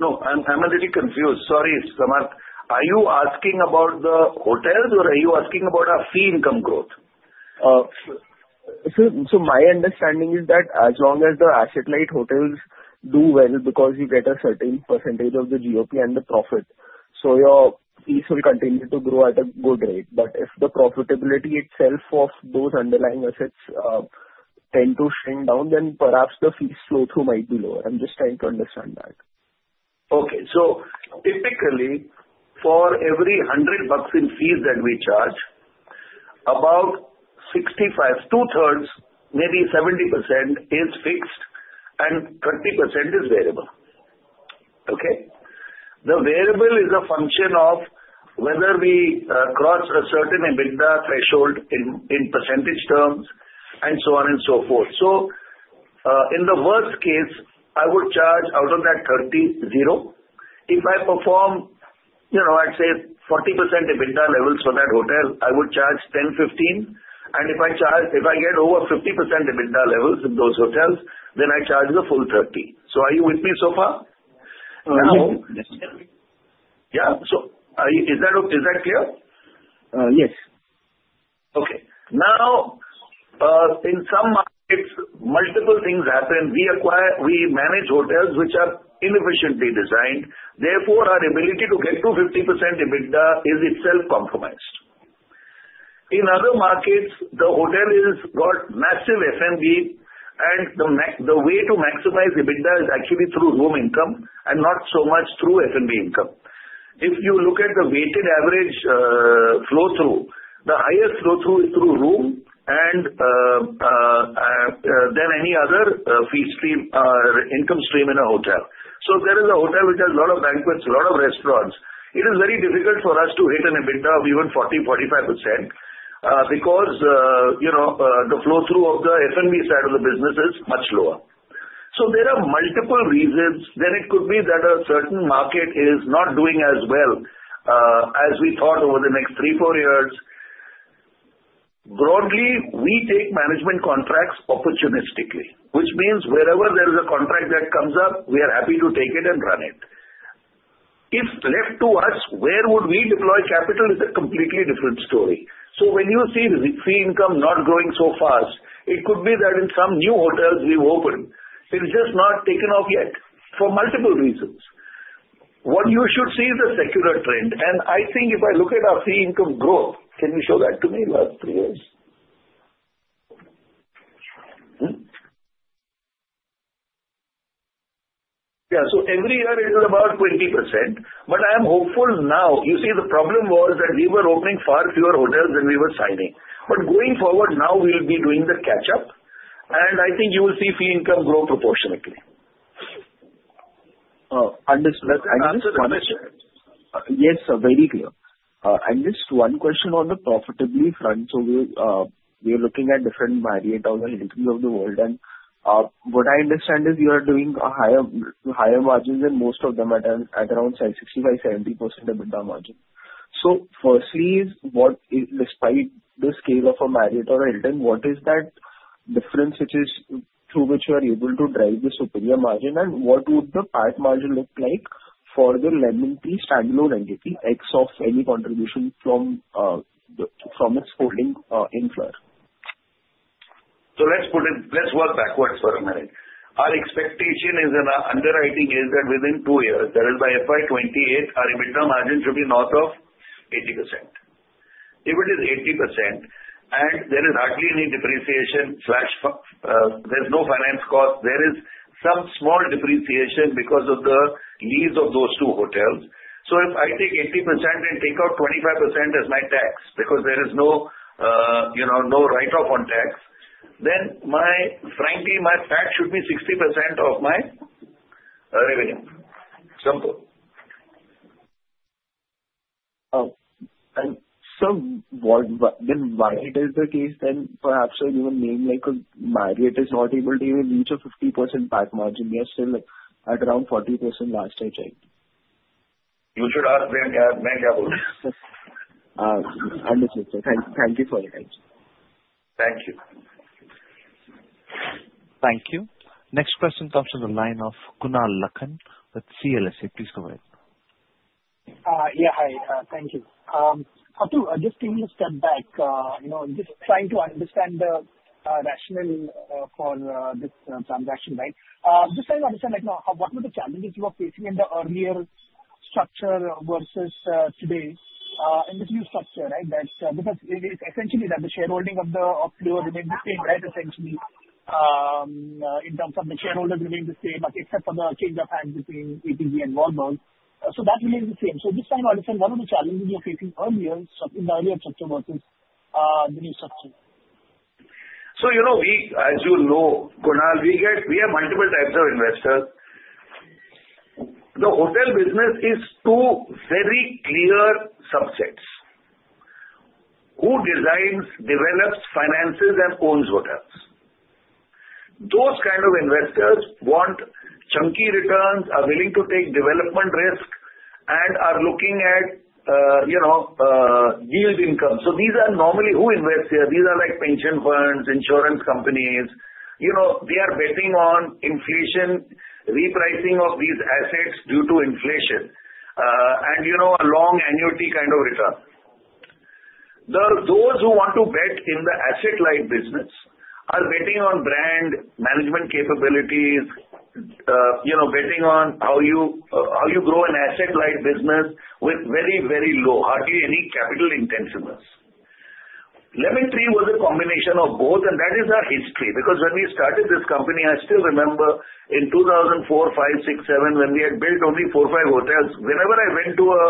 No, I'm a little confused. Sorry, Sumant. Are you asking about the hotels, or are you asking about our fee income growth? So my understanding is that as long as the asset-light hotels do well because you get a certain percentage of the GOP and the profit, so your fees will continue to grow at a good rate. But if the profitability itself of those underlying assets tends to shrink down, then perhaps the fee flow-through might be lower. I'm just trying to understand that. Okay. So typically, for every $100 in fees that we charge, about 65, two-thirds, maybe 70% is fixed, and 30% is variable. Okay? The variable is a function of whether we cross a certain EBITDA threshold in percentage terms and so on and so forth. So in the worst case, I would charge out of that 30, 0. If I perform, I'd say, 40% EBITDA levels for that hotel, I would charge 10%-15%. And if I get over 50% EBITDA levels in those hotels, then I charge the full 30%. So are you with me so far? Yes. Yeah? So is that clear? Yes. Okay. Now, in some markets, multiple things happen. We manage hotels which are inefficiently designed. Therefore, our ability to get to 50% EBITDA is itself compromised. In other markets, the hotel has got massive F&B, and the way to maximize EBITDA is actually through room income and not so much through F&B income. If you look at the weighted average flow-through, the highest flow-through is through room and then any other fee stream or income stream in a hotel. So there is a hotel which has a lot of banquets, a lot of restaurants. It is very difficult for us to hit an EBITDA of even 40%-45% because the flow-through of the F&B side of the business is much lower. So there are multiple reasons. Then it could be that a certain market is not doing as well as we thought over the next three, four years. Broadly, we take management contracts opportunistically, which means wherever there is a contract that comes up, we are happy to take it and run it. If left to us, where would we deploy capital is a completely different story. So when you see the fee income not growing so fast, it could be that in some new hotels we've opened, it's just not taken off yet for multiple reasons. What you should see is a secular trend. And I think if I look at our fee income growth, can you show that to me last three years? Yeah. So every year, it is about 20%. But I am hopeful now. You see, the problem was that we were opening far fewer hotels than we were signing. But going forward, now we'll be doing the catch-up, and I think you will see fee income grow proportionately. Understood. Yes, very clear. I just have one question on the profitability front. So we are looking at different operators around the world, and what I understand is you are doing higher margins than most of them at around 65%-70% EBITDA margin. So firstly, despite the scale of operations or returns, what is that difference through which you are able to drive the superior margin, and what would the EBITDA margin look like for the Lemon Tree standalone entity ex any contribution from its holding in Fleur? So let's work backwards for a minute. Our expectation is in our underwriting is that within two years, that is, by FY 2028, our EBITDA margin should be north of 80%. If it is 80% and there is hardly any depreciation. There's no finance cost, there is some small depreciation because of the lease of those two hotels. So if I take 80% and take out 25% as my tax because there is no write-off on tax, then frankly, my PAT should be 60% of my revenue. Simple. If margin is the case, then perhaps a given name like a Marriott is not able to even reach a 50% par margin. We are still at around 40% last year, right? You should ask them what they are doing. Understood. Thank you for your time. Thank you. Thank you. Next question comes from the line of Kunal Lakhan with CLSA. Please go ahead. Yeah. Hi. Thank you. Just taking a step back, just trying to understand the rationale for this transaction, right? Just trying to understand what were the challenges you were facing in the earlier structure versus today in this new structure, right? Because it's essentially that the shareholding of the Fleur remained the same, right, essentially, in terms of the shareholders remained the same, except for the change of hands between APG and Warburg Pincus. So that remained the same. So just trying to understand what were the challenges you were facing earlier in the earlier structure versus the new structure? So as you know, Kunal, we have multiple types of investors. The hotel business is two very clear subsets. Who designs, develops, finances, and owns hotels? Those kinds of investors want chunky returns, are willing to take development risk, and are looking at yield income. So these are normally who invests here? These are like pension funds, insurance companies. They are betting on inflation, repricing of these assets due to inflation, and a long annuity kind of return. Those who want to bet in the asset-light business are betting on brand management capabilities, betting on how you grow an asset-light business with very, very low, hardly any capital intensiveness. Lemon Tree was a combination of both, and that is our history. Because when we started this company, I still remember in 2004, 2005, 2006, 2007, when we had built only four or five hotels, whenever I went to a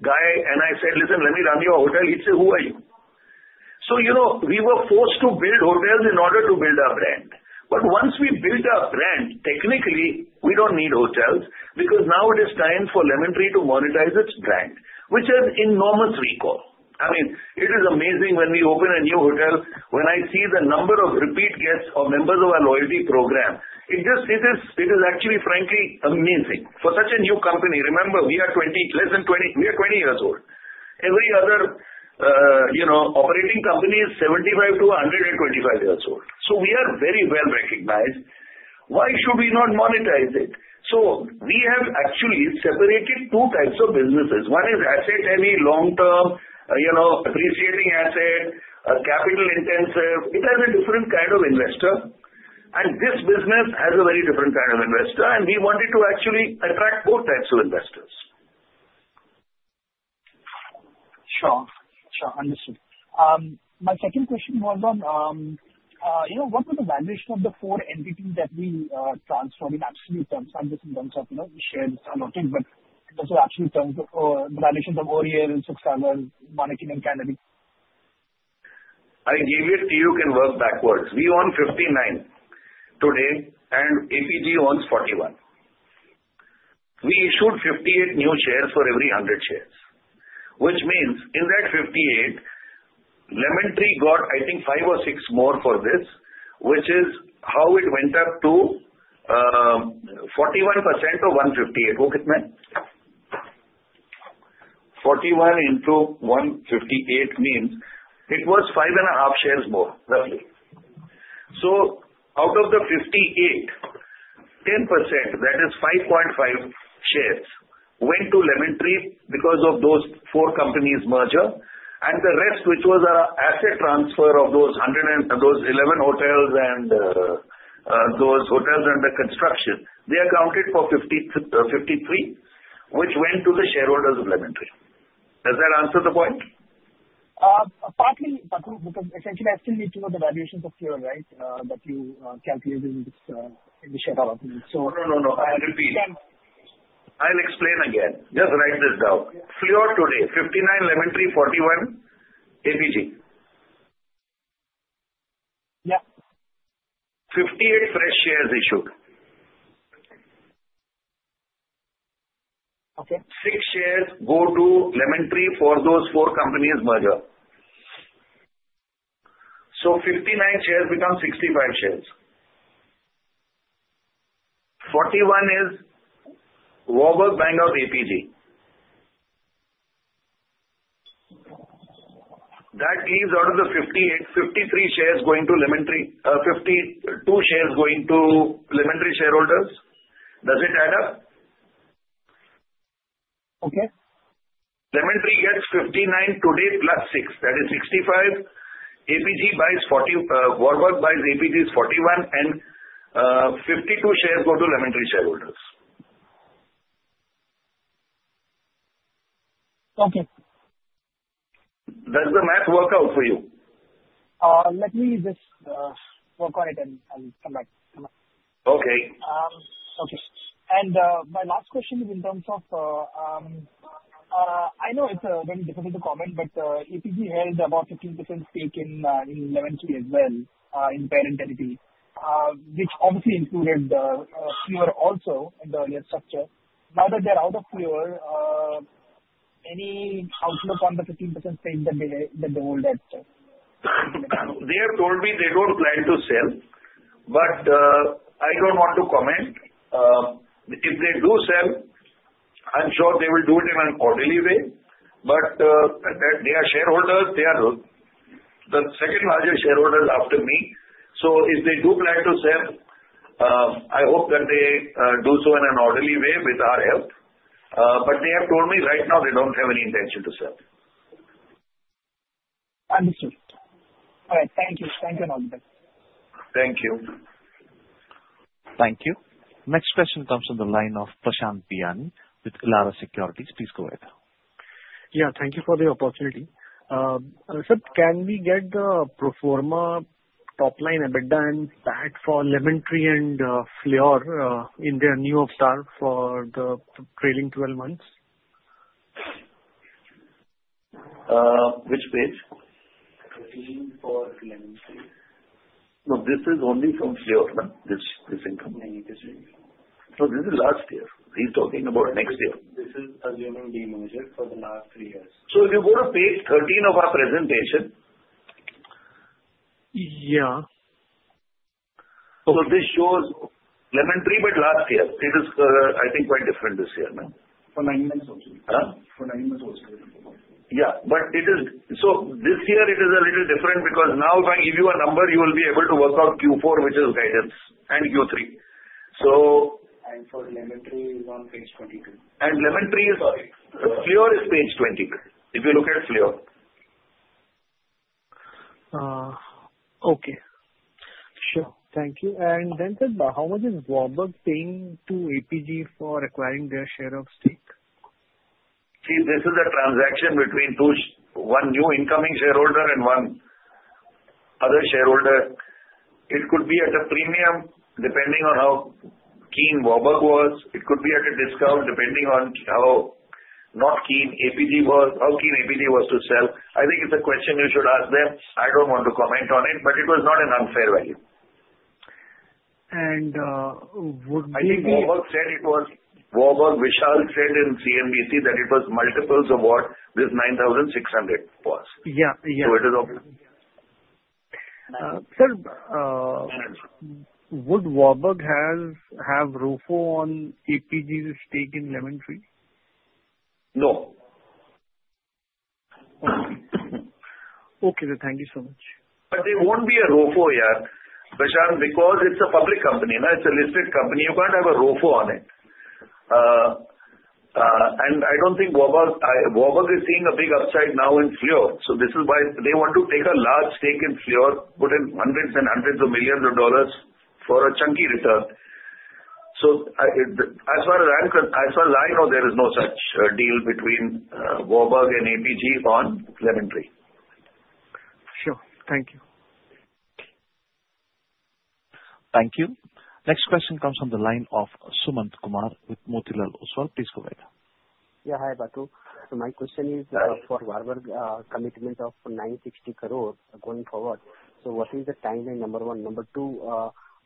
guy and I said, "Listen, let me run your hotel," he'd say, "Who are you?" So we were forced to build hotels in order to build our brand. But once we built our brand, technically, we don't need hotels because now it is time for Lemon Tree to monetize its brand, which has enormous recall. I mean, it is amazing when we open a new hotel, when I see the number of repeat guests or members of our loyalty program, it is actually, frankly, amazing for such a new company. Remember, we are less than 20 years old. Every other operating company is 75-125 years old. So we are very well recognized. Why should we not monetize it? So we have actually separated two types of businesses. One is asset-heavy, long-term, appreciating asset, capital-intensive. It has a different kind of investor. And this business has a very different kind of investor, and we wanted to actually attract both types of investors. Sure. Sure. Understood. My second question, Kunal Lakhan, what were the valuations of the four entities that we transferred in absolute terms? I'm just in terms of shares, not things, but just the absolute terms, the valuations of Oriole, Sixstarr, Manakin, and Canary? I give it to you, you can work backwards. We own 59 today, and APG owns 41. We issued 58 new shares for every 100 shares, which means in that 58, Lemon Tree got, I think, five or six more for this, which is how it went up to 41% of 158. Who am I kidding? 41 into 158 means it was five and a half shares more, roughly. So out of the 58, 10%, that is 5.5 shares, went to Lemon Tree because of those four companies' merger. And the rest, which was an asset transfer of those 11 hotels and those hotels under construction, they accounted for 53, which went to the shareholders of Lemon Tree. Does that answer the point? Partly, because essentially, I still need to know the valuations of Fleur, right, that you calculated in the share offering. No, no, no. I repeat. I'll explain again. Just write this down. Fleur today, 59, Lemon Tree, 41, APG. Yeah. 58 fresh shares issued. Okay. Six shares go to Lemon Tree for those four companies' merger. So 59 shares become 65 shares. 41 is Warburg Pincus, Bang, or APG. That leaves out of the 58, 53 shares going to Lemon Tree, 52 shares going to Lemon Tree shareholders. Does it add up? Okay. Lemon Tree gets 59 today plus 6. That is 65. APG buys 40, Warburg Pincus buys APG's 41, and 52 shares go to Lemon Tree shareholders. Okay. Does the math work out for you? Let me just work on it, and I'll come back. Okay. Okay. And my last question is in terms of I know it's very difficult to comment, but APG held about 15% stake in Lemon Tree as well in parent entity, which obviously included Fleur also in the earlier structure. Now that they're out of Fleur, any outlook on the 15% stake that they hold at? They have told me they don't plan to sell, but I don't want to comment. If they do sell, I'm sure they will do it in an orderly way. But they are shareholders. They are the second largest shareholders after me. So if they do plan to sell, I hope that they do so in an orderly way with our help. But they have told me right now they don't have any intention to sell. Understood. All right. Thank you. Thank you, Anuj. Thank you. Thank you. Next question comes from the line of Prashant Biyani with Elara Securities. Please go ahead. Yeah. Thank you for the opportunity. Can we get the pro forma top-line EBITDA and PAT for Lemon Tree and Fleur in their new structure for the trailing 12 months? Which page? Trailing for Lemon Tree. No, this is only from Fleur, this income. No, this is last year. He's talking about next year. This is assuming the merger for the last three years. So, if you want to page 13 of our presentation. Yeah. So this shows Lemon Tree, but last year. It is, I think, quite different this year. For nine months also. Huh? For nine months also. Yeah, but so this year, it is a little different because now if I give you a number, you will be able to work out Q4, which is guidance, and Q3. So. For Lemon Tree, it's on page 22. And Lemon Tree is sorry. Fleur is page 22 if you look at Fleur. Okay. Sure. Thank you. And then how much is Warburg Pincus paying to APG for acquiring their share of stake? See, this is a transaction between one new incoming shareholder and one other shareholder. It could be at a premium depending on how keen Warburg Pincus was. It could be at a discount depending on how not keen APG was, how keen APG was to sell. I think it's a question you should ask them. I don't want to comment on it, but it was not an unfair value. And would. I think Warburg said it was Warburg, Prashant said in CNBC that it was multiples of what this 960 was. Yeah. Yeah. So it is optimal. Sir, would Warburg Pincus have ROFO on APG's stake in Lemon Tree? No. Okay. Thank you so much. But there won't be a ROFO, yeah, Prashant, because it's a public company. It's a listed company. You can't have a ROFO on it. And I don't think Warburg Pincus is seeing a big upside now in Fleur. So this is why they want to take a large stake in Fleur, put in hundreds and hundreds of millions of dollars for a chunky return. So as far as I know, there is no such deal between Warburg Pincus and APG on Lemon Tree. Sure. Thank you. Thank you. Next question comes from the line of Sumant Kumar with Motilal Oswal. Please go ahead. Yeah. Hi, Patu. My question is for Warburg Pincus's commitment of 960 crore going forward. So what is the timeline? Number one. Number two,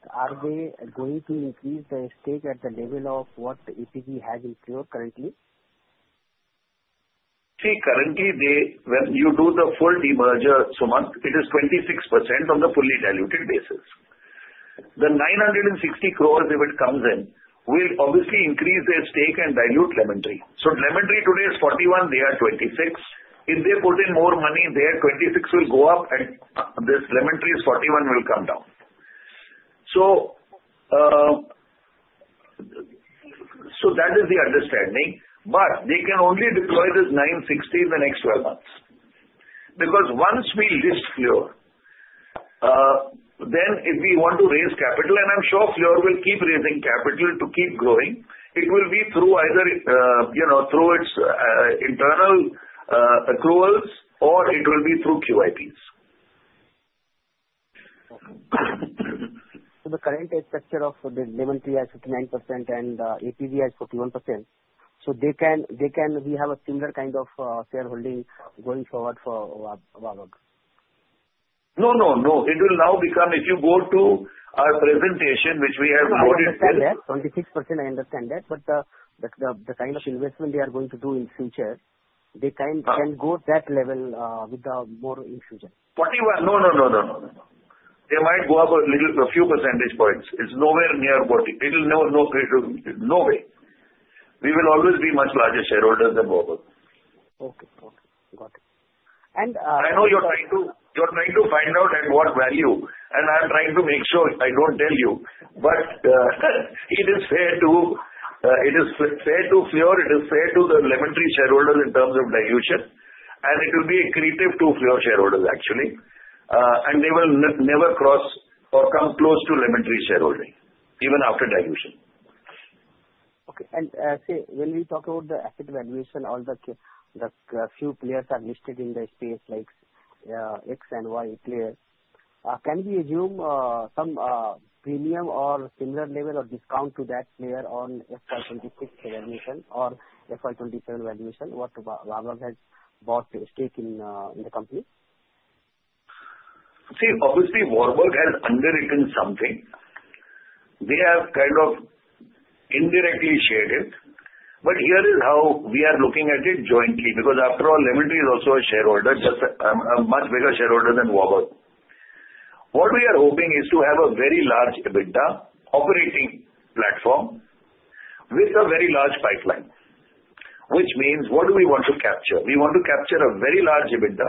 are they going to increase their stake at the level of what APG has in Fleur currently? See, currently, when you do the full demerger, Sumant, it is 26% on the fully diluted basis. The 960 crore if it comes in, will obviously increase their stake and dilute Lemon Tree. So Lemon Tree today is 41. They are 26. If they put in more money, their 26 will go up, and this Lemon Tree's 41 will come down. So that is the understanding. But they can only deploy this 960 crore in the next 12 months. Because once we list Fleur, then if we want to raise capital, and I'm sure Fleur will keep raising capital to keep growing, it will be through either through its internal accruals or it will be through QIPs. So the current structure of Lemon Tree is 59% and APG is 41%. So we have a similar kind of shareholding going forward for Warburg Pincus? No, no, no. It will now become if you go to our presentation, which we have noted here. I understand that. 26%, I understand that. But the kind of investment they are going to do in future, they can go that level with more infusion. No, no, no, no, no, no, no. They might go up a few percentage points. It's nowhere near 40. It will never go to 40, no way. We will always be much larger shareholders than Warburg Pincus. Okay. Got it. I know you're trying to find out at what value, and I'm trying to make sure I don't tell you. But it is fair to Fleur, it is fair to the Lemon Tree shareholders in terms of dilution, and it will be accretive to Fleur shareholders, actually. They will never cross or come close to Lemon Tree shareholding, even after dilution. Okay. And when we talk about the asset valuation, all the few players are listed in the space like X and Y players. Can we assume some premium or similar level or discount to that player on FY 2026 valuation or FY 2027 valuation? What Warburg Pincus has bought stake in the company? See, obviously, Warburg Pincus has underwritten something. They have kind of indirectly shared it. But here is how we are looking at it jointly. Because after all, Lemon Tree is also a shareholder, just a much bigger shareholder than Warburg Pincus. What we are hoping is to have a very large EBITDA operating platform with a very large pipeline, which means what do we want to capture? We want to capture a very large EBITDA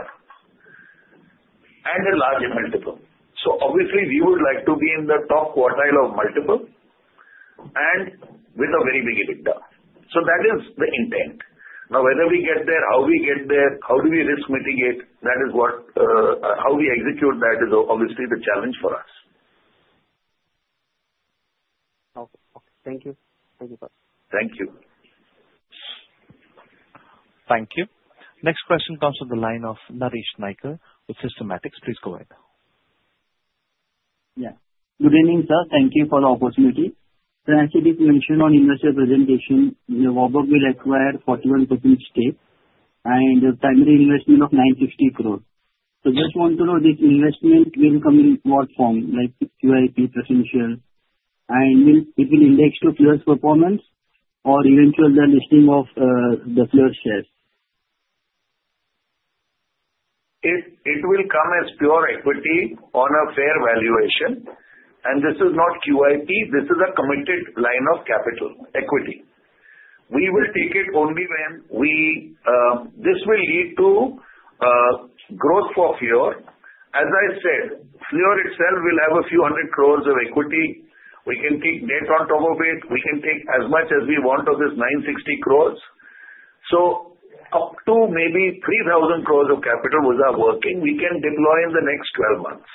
and a large multiple. So obviously, we would like to be in the top quartile of multiple and with a very big EBITDA. So that is the intent. Now, whether we get there, how we get there, how do we risk mitigate, that is what how we execute that is obviously the challenge for us. Okay. Okay. Thank you. Thank you, sir. Thank you. Thank you. Next question comes from the line of Naresh Naikul with Systematix. Please go ahead. Yeah. Good evening, sir. Thank you for the opportunity. So actually, as mentioned on investor presentation, Warburg Pincus will acquire 41% stake and a primary investment of 960 crore. So I just want to know this investment will come in what form, like QIP, preferential share, and will it be indexed to Fleur's performance or eventually the listing of the Fleur shares? It will come as pure equity on a fair valuation. And this is not QIP. This is a committed line of capital, equity. We will take it only when we this will lead to growth for Fleur. As I said, Fleur itself will have a few hundred crores of equity. We can take debt on top of it. We can take as much as we want of this 960 crores. So up to maybe 3,000 crores of capital which are working, we can deploy in the next 12 months.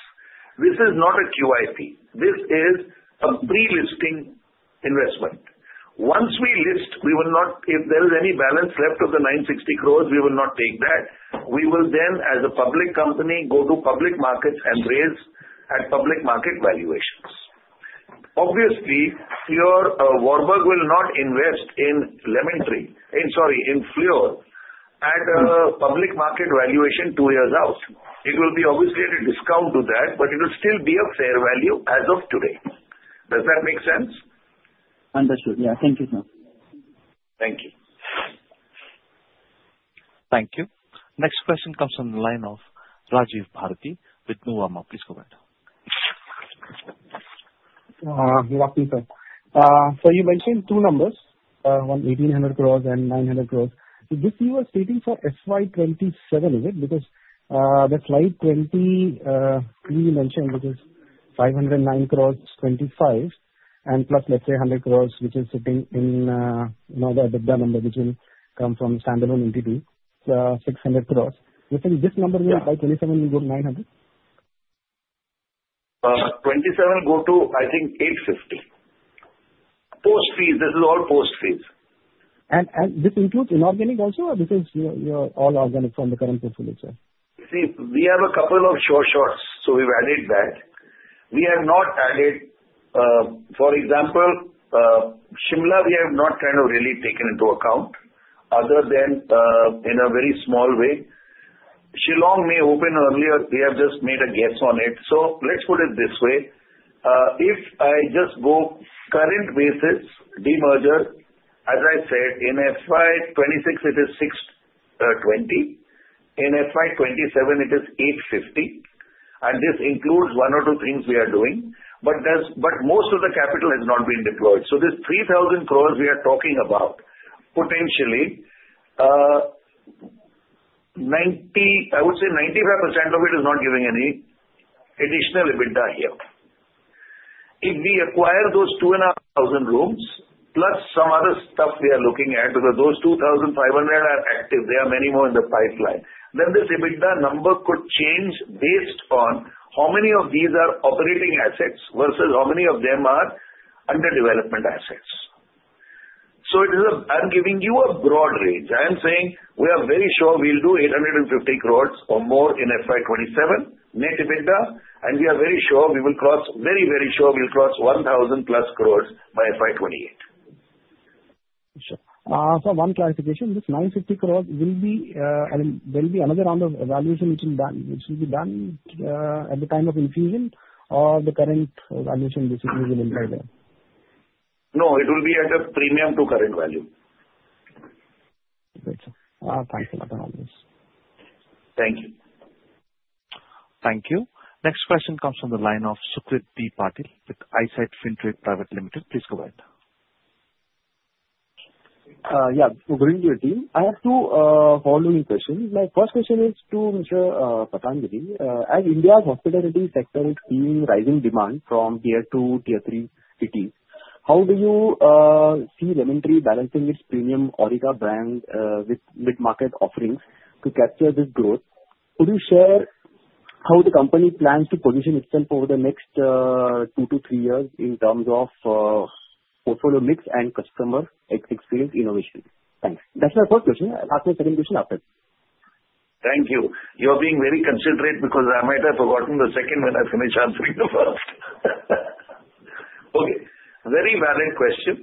This is not a QIP. This is a pre-listing investment. Once we list, we will not if there is any balance left of the 960 crores, we will not take that. We will then, as a public company, go to public markets and raise at public market valuations. Obviously, Fleur, Warburg Pincus will not invest in Lemon Tree sorry, in Fleur at a public market valuation two years out. It will be obviously at a discount to that, but it will still be a fair value as of today. Does that make sense? Understood. Yeah. Thank you, sir. Thank you. Thank you. Next question comes from the line of Rajiv Bharati with Nuvama. Please go ahead. Good afternoon, sir. So you mentioned two numbers, 1,800 crores and 900 crores. So this you are stating for FY27, is it? Because the Slide 23 you mentioned, which is 509 crores '25, and plus, let's say, 100 crores, which is sitting in another EBITDA number, which will come from standalone entity, 600 crores. You think this number will by 27 go to 900? 27 go to, I think, 850. Post-phase. This is all post-phase. This includes inorganic also? Or this is all organic from the current portfolio, sir? See, we have a couple of short-shorts. So we've added that. We have not added, for example, Shimla. We have not kind of really taken into account other than in a very small way. Shillong may open earlier. We have just made a guess on it. So let's put it this way. If I just go current basis, demerger, as I said, in FY26, it is 620. In FY27, it is 850. And this includes one or two things we are doing. But most of the capital has not been deployed. So this 3,000 crores we are talking about, potentially, I would say 95% of it is not giving any additional EBITDA here. If we acquire those 2,500 rooms, plus some other stuff we are looking at, because those 2,500 are active, there are many more in the pipeline, then this EBITDA number could change based on how many of these are operating assets versus how many of them are under development assets. So I'm giving you a broad range. I am saying we are very sure we'll do 850 crores or more in FY27 net EBITDA, and we are very sure we will cross very, very sure we'll cross 1,000 plus crores by FY28. Sir, one clarification. This 950 crores will be another round of valuation which will be done at the time of infusion or the current valuation will be made there? No, it will be at a premium to current value. Great. Thanks a lot, Anuj. Thank you. Thank you. Next question comes from the line of Sukrit Patil with Eyesight FinTrade Private Limited. Please go ahead. Yeah. Good evening, team. I have two following questions. My first question is to Mr. Patanjali. As India's hospitality sector is seeing rising demand from tier two, tier three cities, how do you see Lemon Tree balancing its premium Aurika brand with mid-market offerings to capture this growth? Could you share how the company plans to position itself over the next two to three years in terms of portfolio mix and customer experience innovation? Thanks. That's my first question. I'll ask my second question after. Thank you. You're being very considerate because I might have forgotten the second when I finished answering the first. Okay. Very valid question.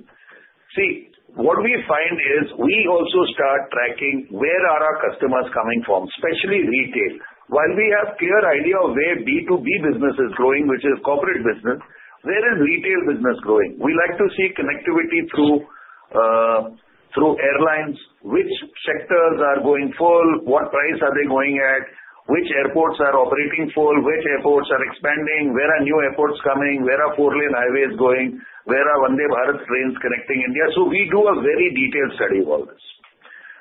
See, what we find is we also start tracking where are our customers coming from, especially retail. While we have a clear idea of where B2B business is growing, which is corporate business, where is retail business growing? We like to see connectivity through airlines, which sectors are going full, what price are they going at, which airports are operating full, which airports are expanding, where are new airports coming, where are four-lane highways going, where are Vande Bharat trains connecting India. So we do a very detailed study of all this.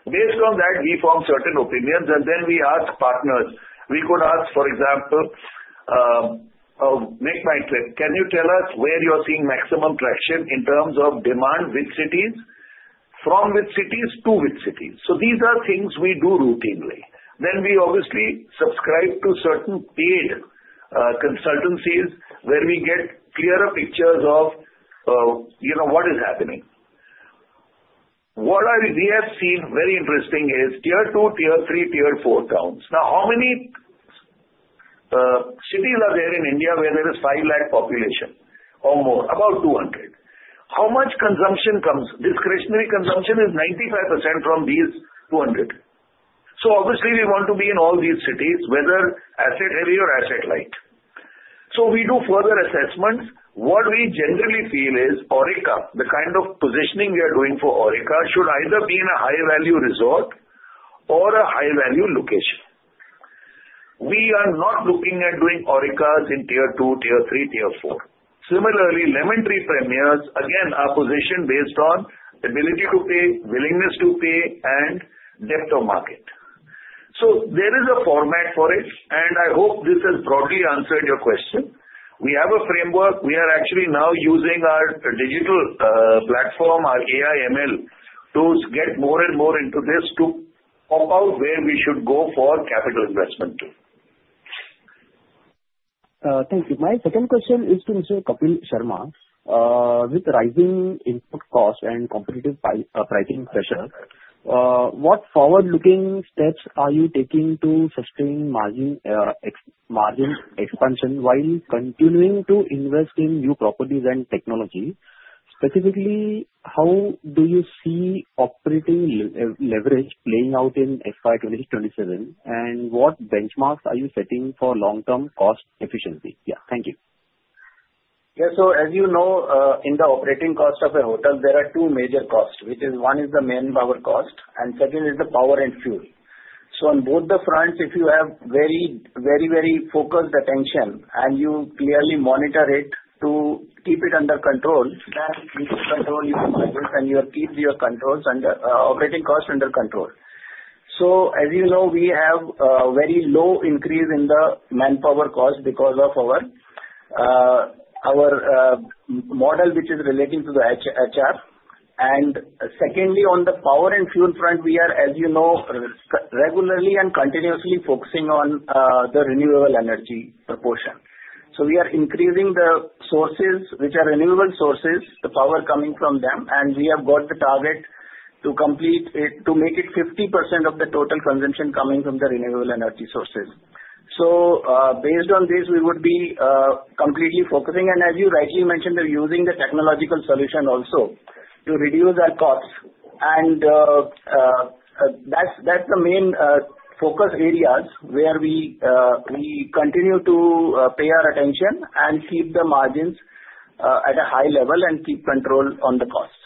Based on that, we form certain opinions, and then we ask partners. We could ask, for example, of MakeMyTrip, "Can you tell us where you're seeing maximum traction in terms of demand with cities from to cities?" So these are things we do routinely. Then we obviously subscribe to certain paid consultancies where we get clearer pictures of what is happening. What we have seen very interesting is tier two, tier three, tier four towns. Now, how many cities are there in India where there is 5 lakh population or more? About 200. How much consumption comes? Discretionary consumption is 95% from these 200. So obviously, we want to be in all these cities, whether asset-heavy or asset-light. So we do further assessments. What we generally feel is Aurika, the kind of positioning we are doing for Aurika should either be in a high-value resort or a high-value location. We are not looking at doing Aurika in tier two, tier three, tier four. Similarly, Lemon Tree Premier, again, are positioned based on ability to pay, willingness to pay, and depth of market. So there is a format for it, and I hope this has broadly answered your question. We have a framework. We are actually now using our digital platform, our AI/ML, to get more and more into this to pop out where we should go for capital investment. Thank you. My second question is to Mr. Kapil Sharma. With rising input costs and competitive pricing pressure, what forward-looking steps are you taking to sustain margin expansion while continuing to invest in new properties and technology? Specifically, how do you see operating leverage playing out in FY2027, and what benchmarks are you setting for long-term cost efficiency? Yeah. Thank you. Yeah. So as you know, in the operating cost of a hotel, there are two major costs, which is one is the manpower cost, and second is the power and fuel. So on both the fronts, if you have very, very, very focused attention and you clearly monitor it to keep it under control, then you can control your budgets and keep your operating costs under control. So as you know, we have a very low increase in the manpower cost because of our model, which is relating to the HR. And secondly, on the power and fuel front, we are, as you know, regularly and continuously focusing on the renewable energy proportion. So we are increasing the sources which are renewable sources, the power coming from them, and we have got the target to make it 50% of the total consumption coming from the renewable energy sources. So based on this, we would be completely focusing. And as you rightly mentioned, we're using the technological solution also to reduce our costs. And that's the main focus areas where we continue to pay our attention and keep the margins at a high level and keep control on the costs.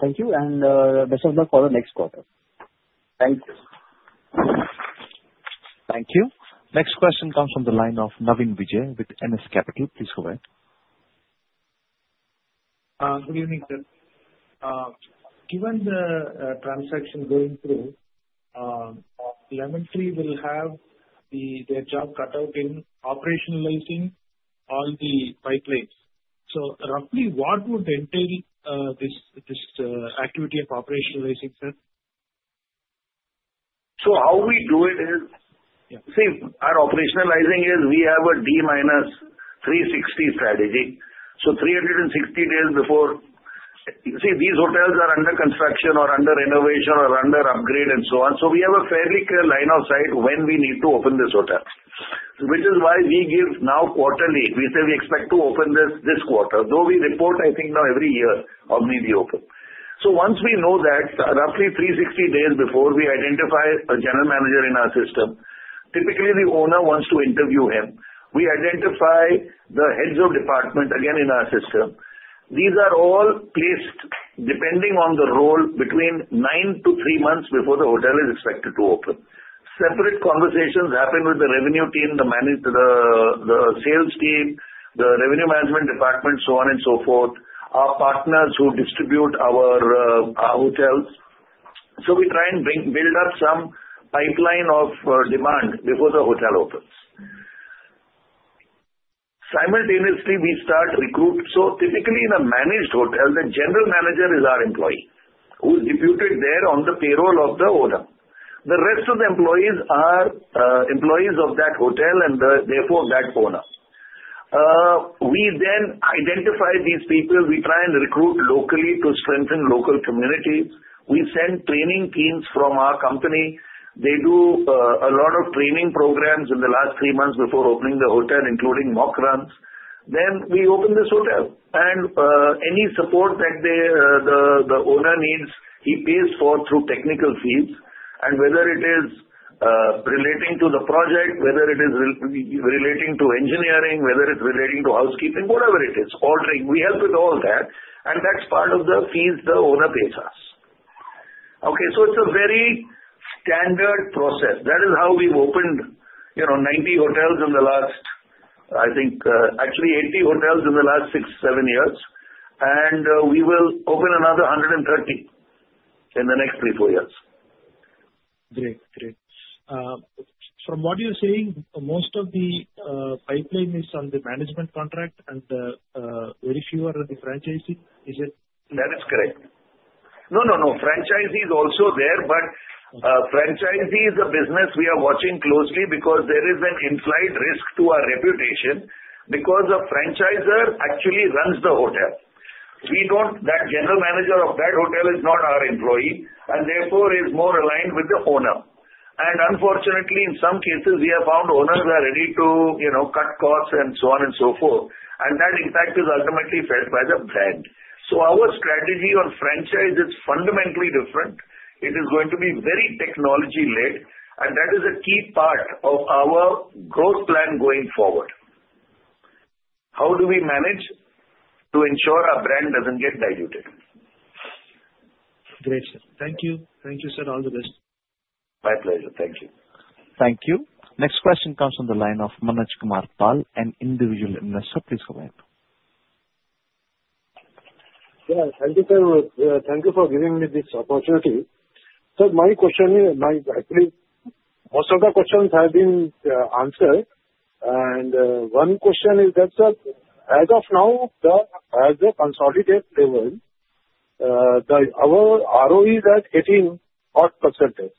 Thank you. And best of luck for the next quarter. Thank you. Thank you. Next question comes from the line of Navin Vijay with NS Capital. Please go ahead. Good evening, sir. Given the transaction going through, Lemon Tree will have their job cut out in operationalizing all the pipelines. So roughly, what would entail this activity of operationalizing, sir? So how we do it is see, our operationalizing is we have a D-360 strategy. So 360 days before see, these hotels are under construction or under renovation or under upgrade and so on. So we have a fairly clear line of sight when we need to open this hotel, which is why we give now quarterly. We say we expect to open this quarter, though we report, I think, now every year of maybe open. So once we know that, roughly 360 days before we identify a general manager in our system, typically the owner wants to interview him. We identify the heads of department again in our system. These are all placed, depending on the role, between nine to three months before the hotel is expected to open. Separate conversations happen with the revenue team, the sales team, the revenue management department, so on and so forth, our partners who distribute our hotels. So we try and build up some pipeline of demand before the hotel opens. Simultaneously, we start recruiting. So typically, in a managed hotel, the general manager is our employee who is deputed there on the payroll of the owner. The rest of the employees are employees of that hotel and therefore that owner. We then identify these people. We try and recruit locally to strengthen local communities. We send training teams from our company. They do a lot of training programs in the last three months before opening the hotel, including mock runs. Then we open this hotel. And any support that the owner needs, he pays for through technical fees. Whether it is relating to the project, whether it is relating to engineering, whether it's relating to housekeeping, whatever it is, all training. We help with all that. That's part of the fees the owner pays us. Okay. It's a very standard process. That is how we've opened 90 hotels in the last, I think, actually 80 hotels in the last six, seven years. We will open another 130 in the next three, four years. Great. Great. From what you're saying, most of the pipeline is on the management contract and very few are on the franchisee. Is it? That is correct. No, no, no. Franchisee is also there, but franchisee is a business we are watching closely because there is an implied risk to our reputation because a franchisor actually runs the hotel. That general manager of that hotel is not our employee and therefore is more aligned with the owner. And unfortunately, in some cases, we have found owners are ready to cut costs and so on and so forth. And that impact is ultimately felt by the brand. So our strategy on franchise is fundamentally different. It is going to be very technology-led, and that is a key part of our growth plan going forward. How do we manage to ensure our brand doesn't get diluted? Great, sir. Thank you. Thank you, sir. All the best. My pleasure. Thank you. Thank you. Next question comes from the line of Manoj Kumar Pal, an individual investor. Please go ahead. Yeah. Thank you, sir. Thank you for giving me this opportunity. Sir, my question is, actually, most of the questions have been answered. And one question is that, sir, as of now, as a consolidated level, our ROE is at 18%.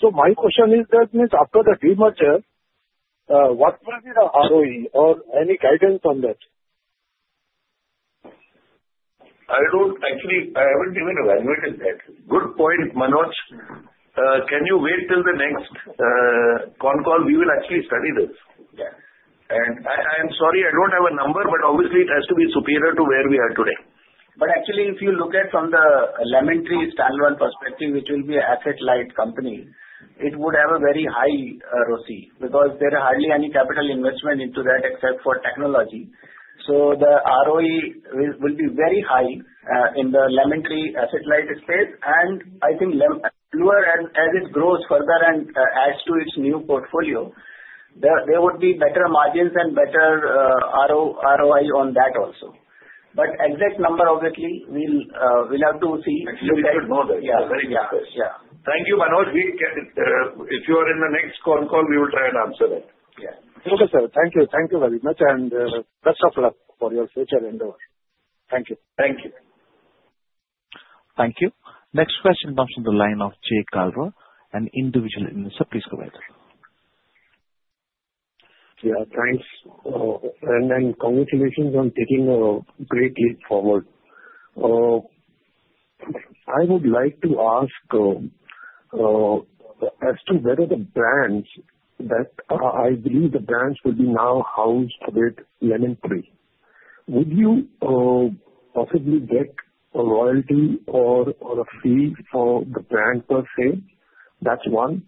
So my question is that, after the demerger, what will be the ROE or any guidance on that? I actually haven't even evaluated that. Good point, Manoj. Can you wait till the next con call? We will actually study this. And I am sorry, I don't have a number, but obviously, it has to be superior to where we are today. But actually, if you look at from the Lemon Tree standalone perspective, which will be an asset-light company, it would have a very high ROC because there are hardly any capital investment into that except for technology. So the ROE will be very high in the Lemon Tree asset-light space. And I think as it grows further and adds to its new portfolio, there would be better margins and better ROI on that also. But exact number, obviously, we'll have to see. Actually, I should know that. Yeah. Thank you, Manoj. If you are in the next con call, we will try and answer that. Okay, sir. Thank you. Thank you very much. And best of luck for your future endeavor. Thank you. Thank you. Thank you. Next question comes from the line of Jay Kalwar, an individual investor. Please go ahead. Yeah. Thanks. And congratulations on taking a great leap forward. I would like to ask as to whether the brands that I believe will be now housed with Lemon Tree. Would you possibly get a royalty or a fee for the brand per se? That's one.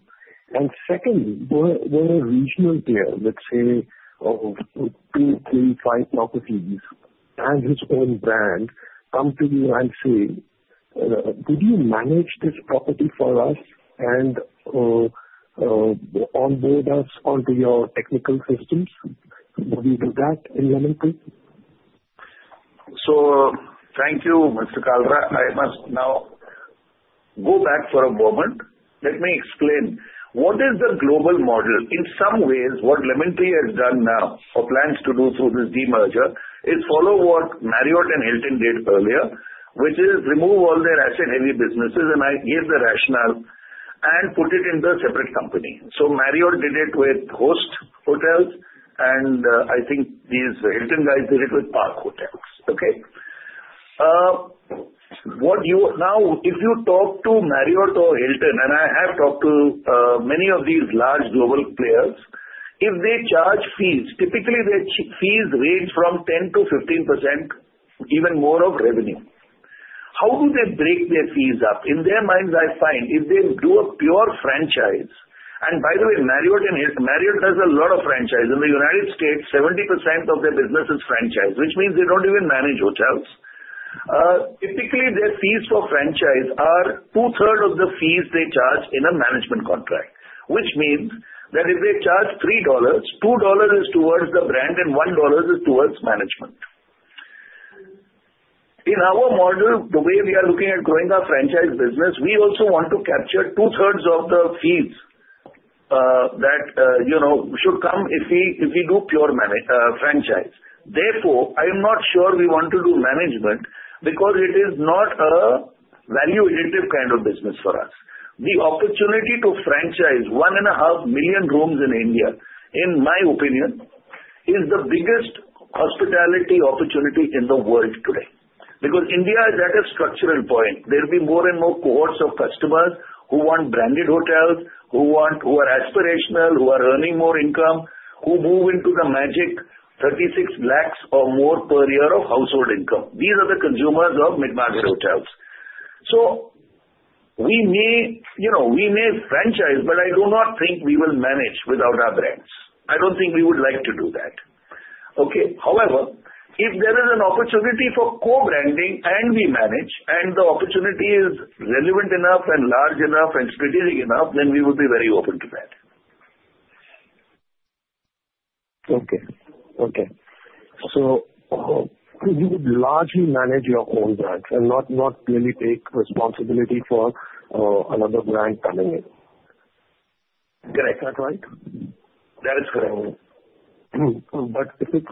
And secondly, were a regional player, let's say two, three, five properties and his own brand, come to you and say, "Could you manage this property for us and onboard us onto your technical systems?" Would you do that in Lemon Tree? So thank you, Mr. Kalwar. I must now go back for a moment. Let me explain. What is the global model? In some ways, what Lemon Tree has done now or plans to do through this demerger is follow what Marriott and Hilton did earlier, which is remove all their asset-heavy businesses and give the rationale and put it in the separate company. So Marriott did it with Host Hotels, and I think these Hilton guys did it with Park Hotels. Okay. Now, if you talk to Marriott or Hilton, and I have talked to many of these large global players, if they charge fees, typically their fees range from 10%-15%, even more of revenue. How do they break their fees up? In their minds, I find if they do a pure franchise and by the way, Marriott does a lot of franchise. In the United States, 70% of their business is franchise, which means they don't even manage hotels. Typically, their fees for franchise are two-thirds of the fees they charge in a management contract, which means that if they charge $3, $2 is towards the brand and $1 is towards management. In our model, the way we are looking at growing our franchise business, we also want to capture two-thirds of the fees that should come if we do pure franchise. Therefore, I am not sure we want to do management because it is not a value-adding kind of business for us. The opportunity to franchise 1.5 million rooms in India, in my opinion, is the biggest hospitality opportunity in the world today because India is at a structural point. There will be more and more cohorts of customers who want branded hotels, who are aspirational, who are earning more income, who move into the magic 36 lakhs or more per year of household income. These are the consumers of mid-market hotels. So we may franchise, but I do not think we will manage without our brands. I don't think we would like to do that. Okay. However, if there is an opportunity for co-branding and we manage and the opportunity is relevant enough and large enough and strategic enough, then we would be very open to that. Okay. So you would largely manage your own brand and not really take responsibility for another brand coming in. Correct. That's right? That is correct. But if it's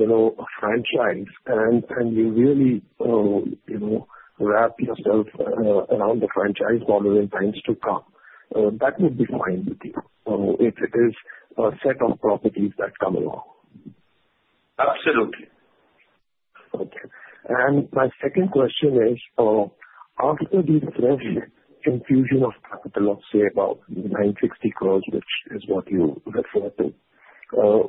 a franchise and you really wrap yourself around the franchise following times to come, that would be fine with you if it is a set of properties that come along. Absolutely. Okay. And my second question is, after the great infusion of capital, let's say about 960 crores, which is what you refer to,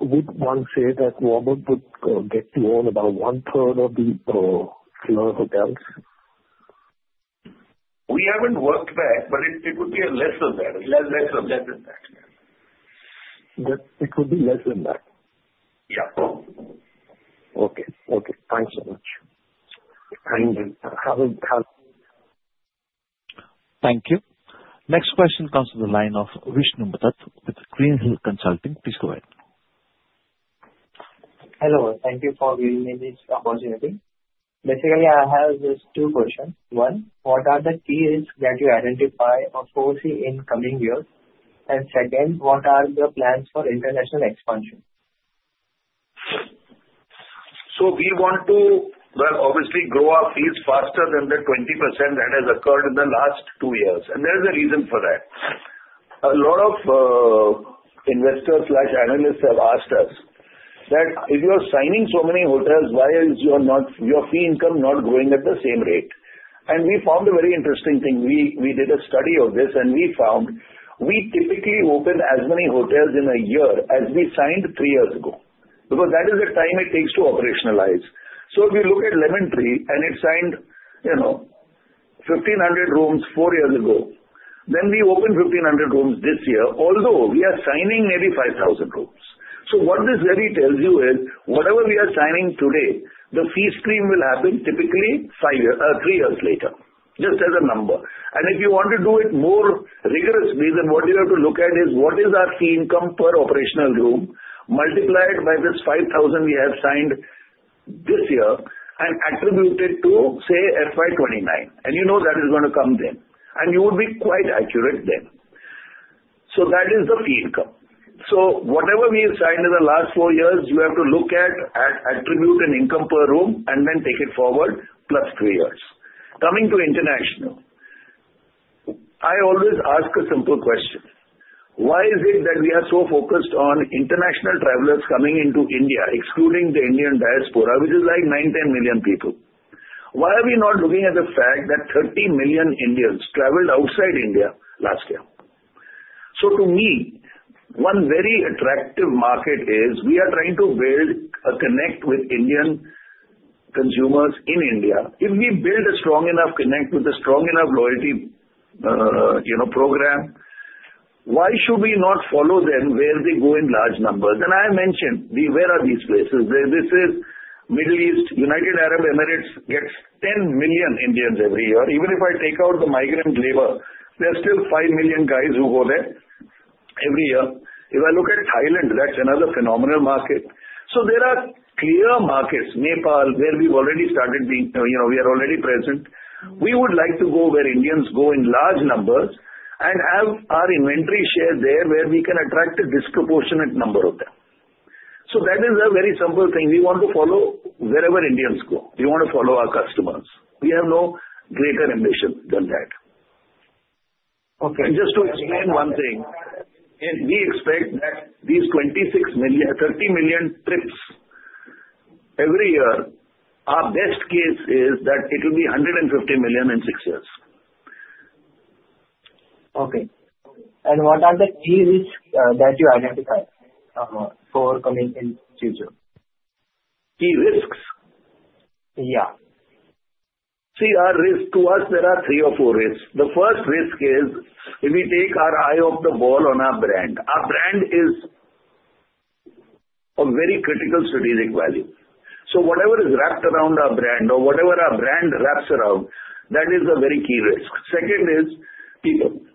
would one say that Warburg would get to own about one-third of the Fleur Hotels? We haven't worked that, but it would be less than that. Less than that. That it would be less than that. Yeah. Okay. Okay. Thanks so much. And how. Thank you. Next question comes from the line of Vishnu Murthat with Greenhill Consulting. Please go ahead. Hello. Thank you for giving me this opportunity. Basically, I have these two questions. One, what are the key risks that you identify or foresee in coming years? And second, what are the plans for international expansion? So we want to, obviously, grow our fees faster than the 20% that has occurred in the last two years. And there is a reason for that. A lot of investors/analysts have asked us that if you're signing so many hotels, why is your fee income not growing at the same rate? And we found a very interesting thing. We did a study of this, and we found we typically open as many hotels in a year as we signed three years ago because that is the time it takes to operationalize. So if you look at Lemon Tree and it signed 1,500 rooms four years ago, then we opened 1,500 rooms this year, although we are signing maybe 5,000 rooms. So what this really tells you is whatever we are signing today, the fee stream will happen typically three years later, just as a number. If you want to do it more rigorously, then what you have to look at is what is our fee income per operational room multiplied by this 5,000 we have signed this year and attributed to, say, FY29. You know that is going to come then. You would be quite accurate then. That is the fee income. Whatever we have signed in the last four years, you have to look at, attribute an income per room, and then take it forward plus three years. Coming to international, I always ask a simple question. Why is it that we are so focused on international travelers coming into India, excluding the Indian diaspora, which is like nine, 10 million people? Why are we not looking at the fact that 30 million Indians traveled outside India last year? So to me, one very attractive market is we are trying to build a connect with Indian consumers in India. If we build a strong enough connect with a strong enough loyalty program, why should we not follow them where they go in large numbers? And I mentioned, where are these places? This is Middle East. United Arab Emirates gets 10 million Indians every year. Even if I take out the migrant labor, there are still 5 million guys who go there every year. If I look at Thailand, that's another phenomenal market. So there are clear markets, Nepal, where we've already started. We are already present. We would like to go where Indians go in large numbers and have our inventory share there where we can attract a disproportionate number of them. So that is a very simple thing. We want to follow wherever Indians go. We want to follow our customers. We have no greater ambition than that. Okay. Just to explain one thing, we expect that these 30 million trips every year. Our best case is that it will be 150 million in six years. Okay, and what are the key risks that you identify for coming in future? Key risks? Yeah. See, our risk to us, there are three or four risks. The first risk is if we take our eye off the ball on our brand. Our brand is a very critical strategic value. So whatever is wrapped around our brand or whatever our brand wraps around, that is a very key risk. Second is people.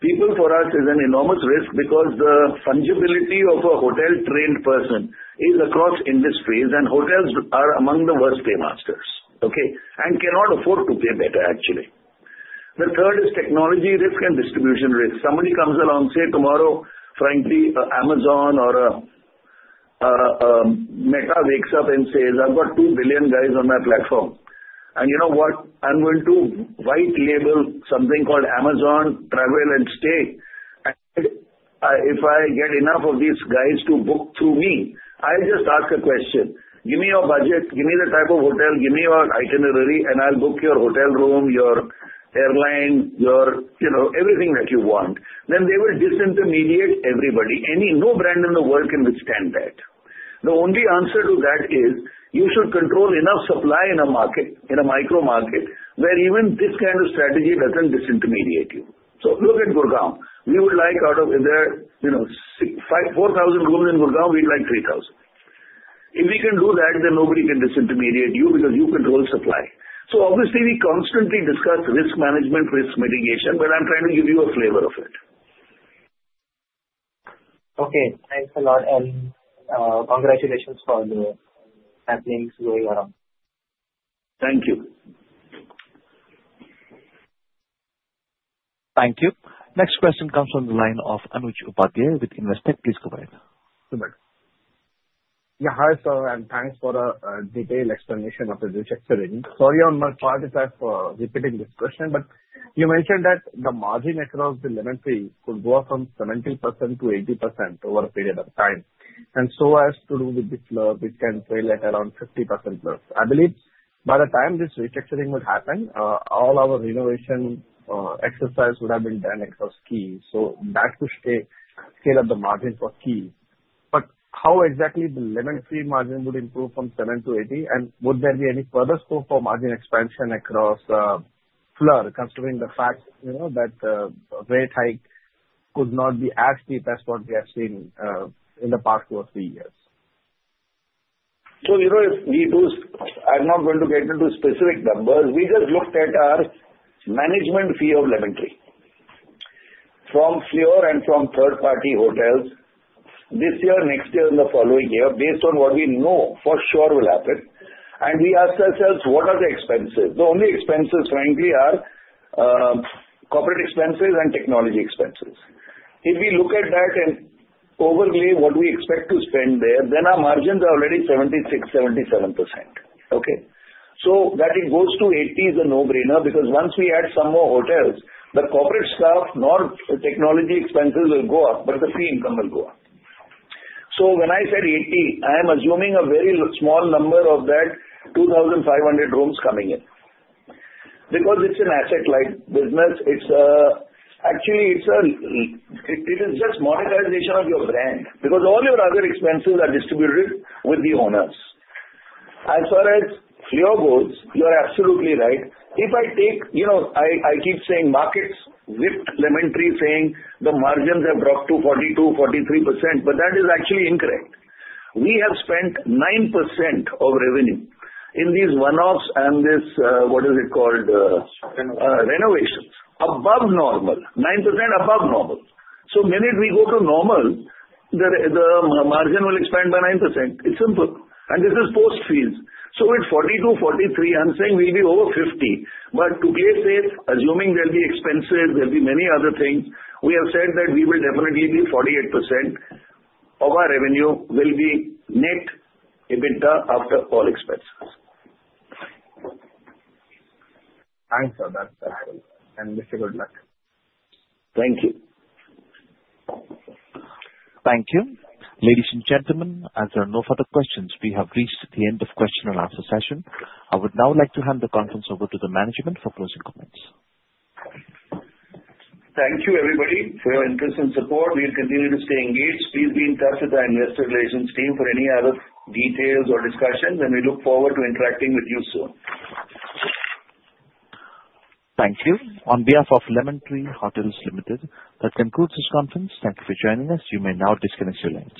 People for us is an enormous risk because the fungibility of a hotel-trained person is across industries, and hotels are among the worst paymasters, okay, and cannot afford to pay better, actually. The third is technology risk and distribution risk. Somebody comes along, say, tomorrow, frankly, Amazon or Meta wakes up and says, "I've got 2 billion guys on my platform. And you know what? I'm going to white-label something called Amazon Travel and Stay. And if I get enough of these guys to book through me, I'll just ask a question. Give me your budget. Give me the type of hotel. Give me your itinerary, and I'll book your hotel room, your airline, everything that you want." Then they will disintermediate everybody. No brand in the world can withstand that. The only answer to that is you should control enough supply in a micro market where even this kind of strategy doesn't disintermediate you. So look at Gurugram. We would like out of 4,000 rooms in Gurugram, we'd like 3,000. If we can do that, then nobody can disintermediate you because you control supply. So obviously, we constantly discuss risk management, risk mitigation, but I'm trying to give you a flavor of it. Okay. Thanks a lot, and congratulations for the happenings going around. Thank you. Thank you. Next question comes from the line of Anuj Upadhyay with Investec. Please go ahead. Yeah. Hi sir. And thanks for the detailed explanation of the risk. Sorry on my part if I'm repeating this question, but you mentioned that the margin across the Lemon Tree could go up from 70% to 80% over a period of time. And so as to do with the Fleur, we can sell at around 50% floor. I believe by the time this restructuring would happen, all our renovation exercise would have been done across Keys. So that could scale up the margin for Keys. But how exactly the Lemon Tree margin would improve from 70% to 80%? And would there be any further scope for margin expansion across Fleur, considering the fact that the rate hike could not be as steep as what we have seen in the past two or three years? So we do. I'm not going to get into specific numbers. We just looked at our management fee of Lemon Tree from Fleur and from third-party hotels this year, next year, and the following year, based on what we know for sure will happen. And we asked ourselves, what are the expenses? The only expenses, frankly, are corporate expenses and technology expenses. If we look at that and overlay what we expect to spend there, then our margins are already 76%-77%. Okay. So that it goes to 80% is a no-brainer because once we add some more hotels, the corporate staff, technology expenses will go up, but the fee income will go up. So when I said 80%, I am assuming a very small number of that 2,500 rooms coming in because it's an asset-light business. Actually, it is just monetization of your brand because all your other expenses are distributed with the owners. As far as Fleur goes, you're absolutely right. If I take I keep saying management with Lemon Tree saying the margins have dropped to 42%-43%, but that is actually incorrect. We have spent 9% of revenue in these one-offs and this, what is it called? Renovations. Renovations above normal, 9% above normal. So the minute we go to normal, the margin will expand by 9%. It's simple. And this is post fees. So with 42, 43, I'm saying we'll be over 50. But to be safe, assuming there'll be expenses, there'll be many other things, we have said that we will definitely be 48% of our revenue will be net EBITDA after all expenses. Thanks, sir. That's helpful. And wish you good luck. Thank you. Thank you. Ladies and gentlemen, as there are no further questions, we have reached the end of the question and answer session. I would now like to hand the conference over to the management for closing comments. Thank you, everybody, for your interest and support. We'll continue to stay engaged. Please be in touch with our investor relations team for any other details or discussions, and we look forward to interacting with you soon. Thank you. On behalf of Lemon Tree Hotels Limited, that concludes this conference. Thank you for joining us. You may now disconnect your lines.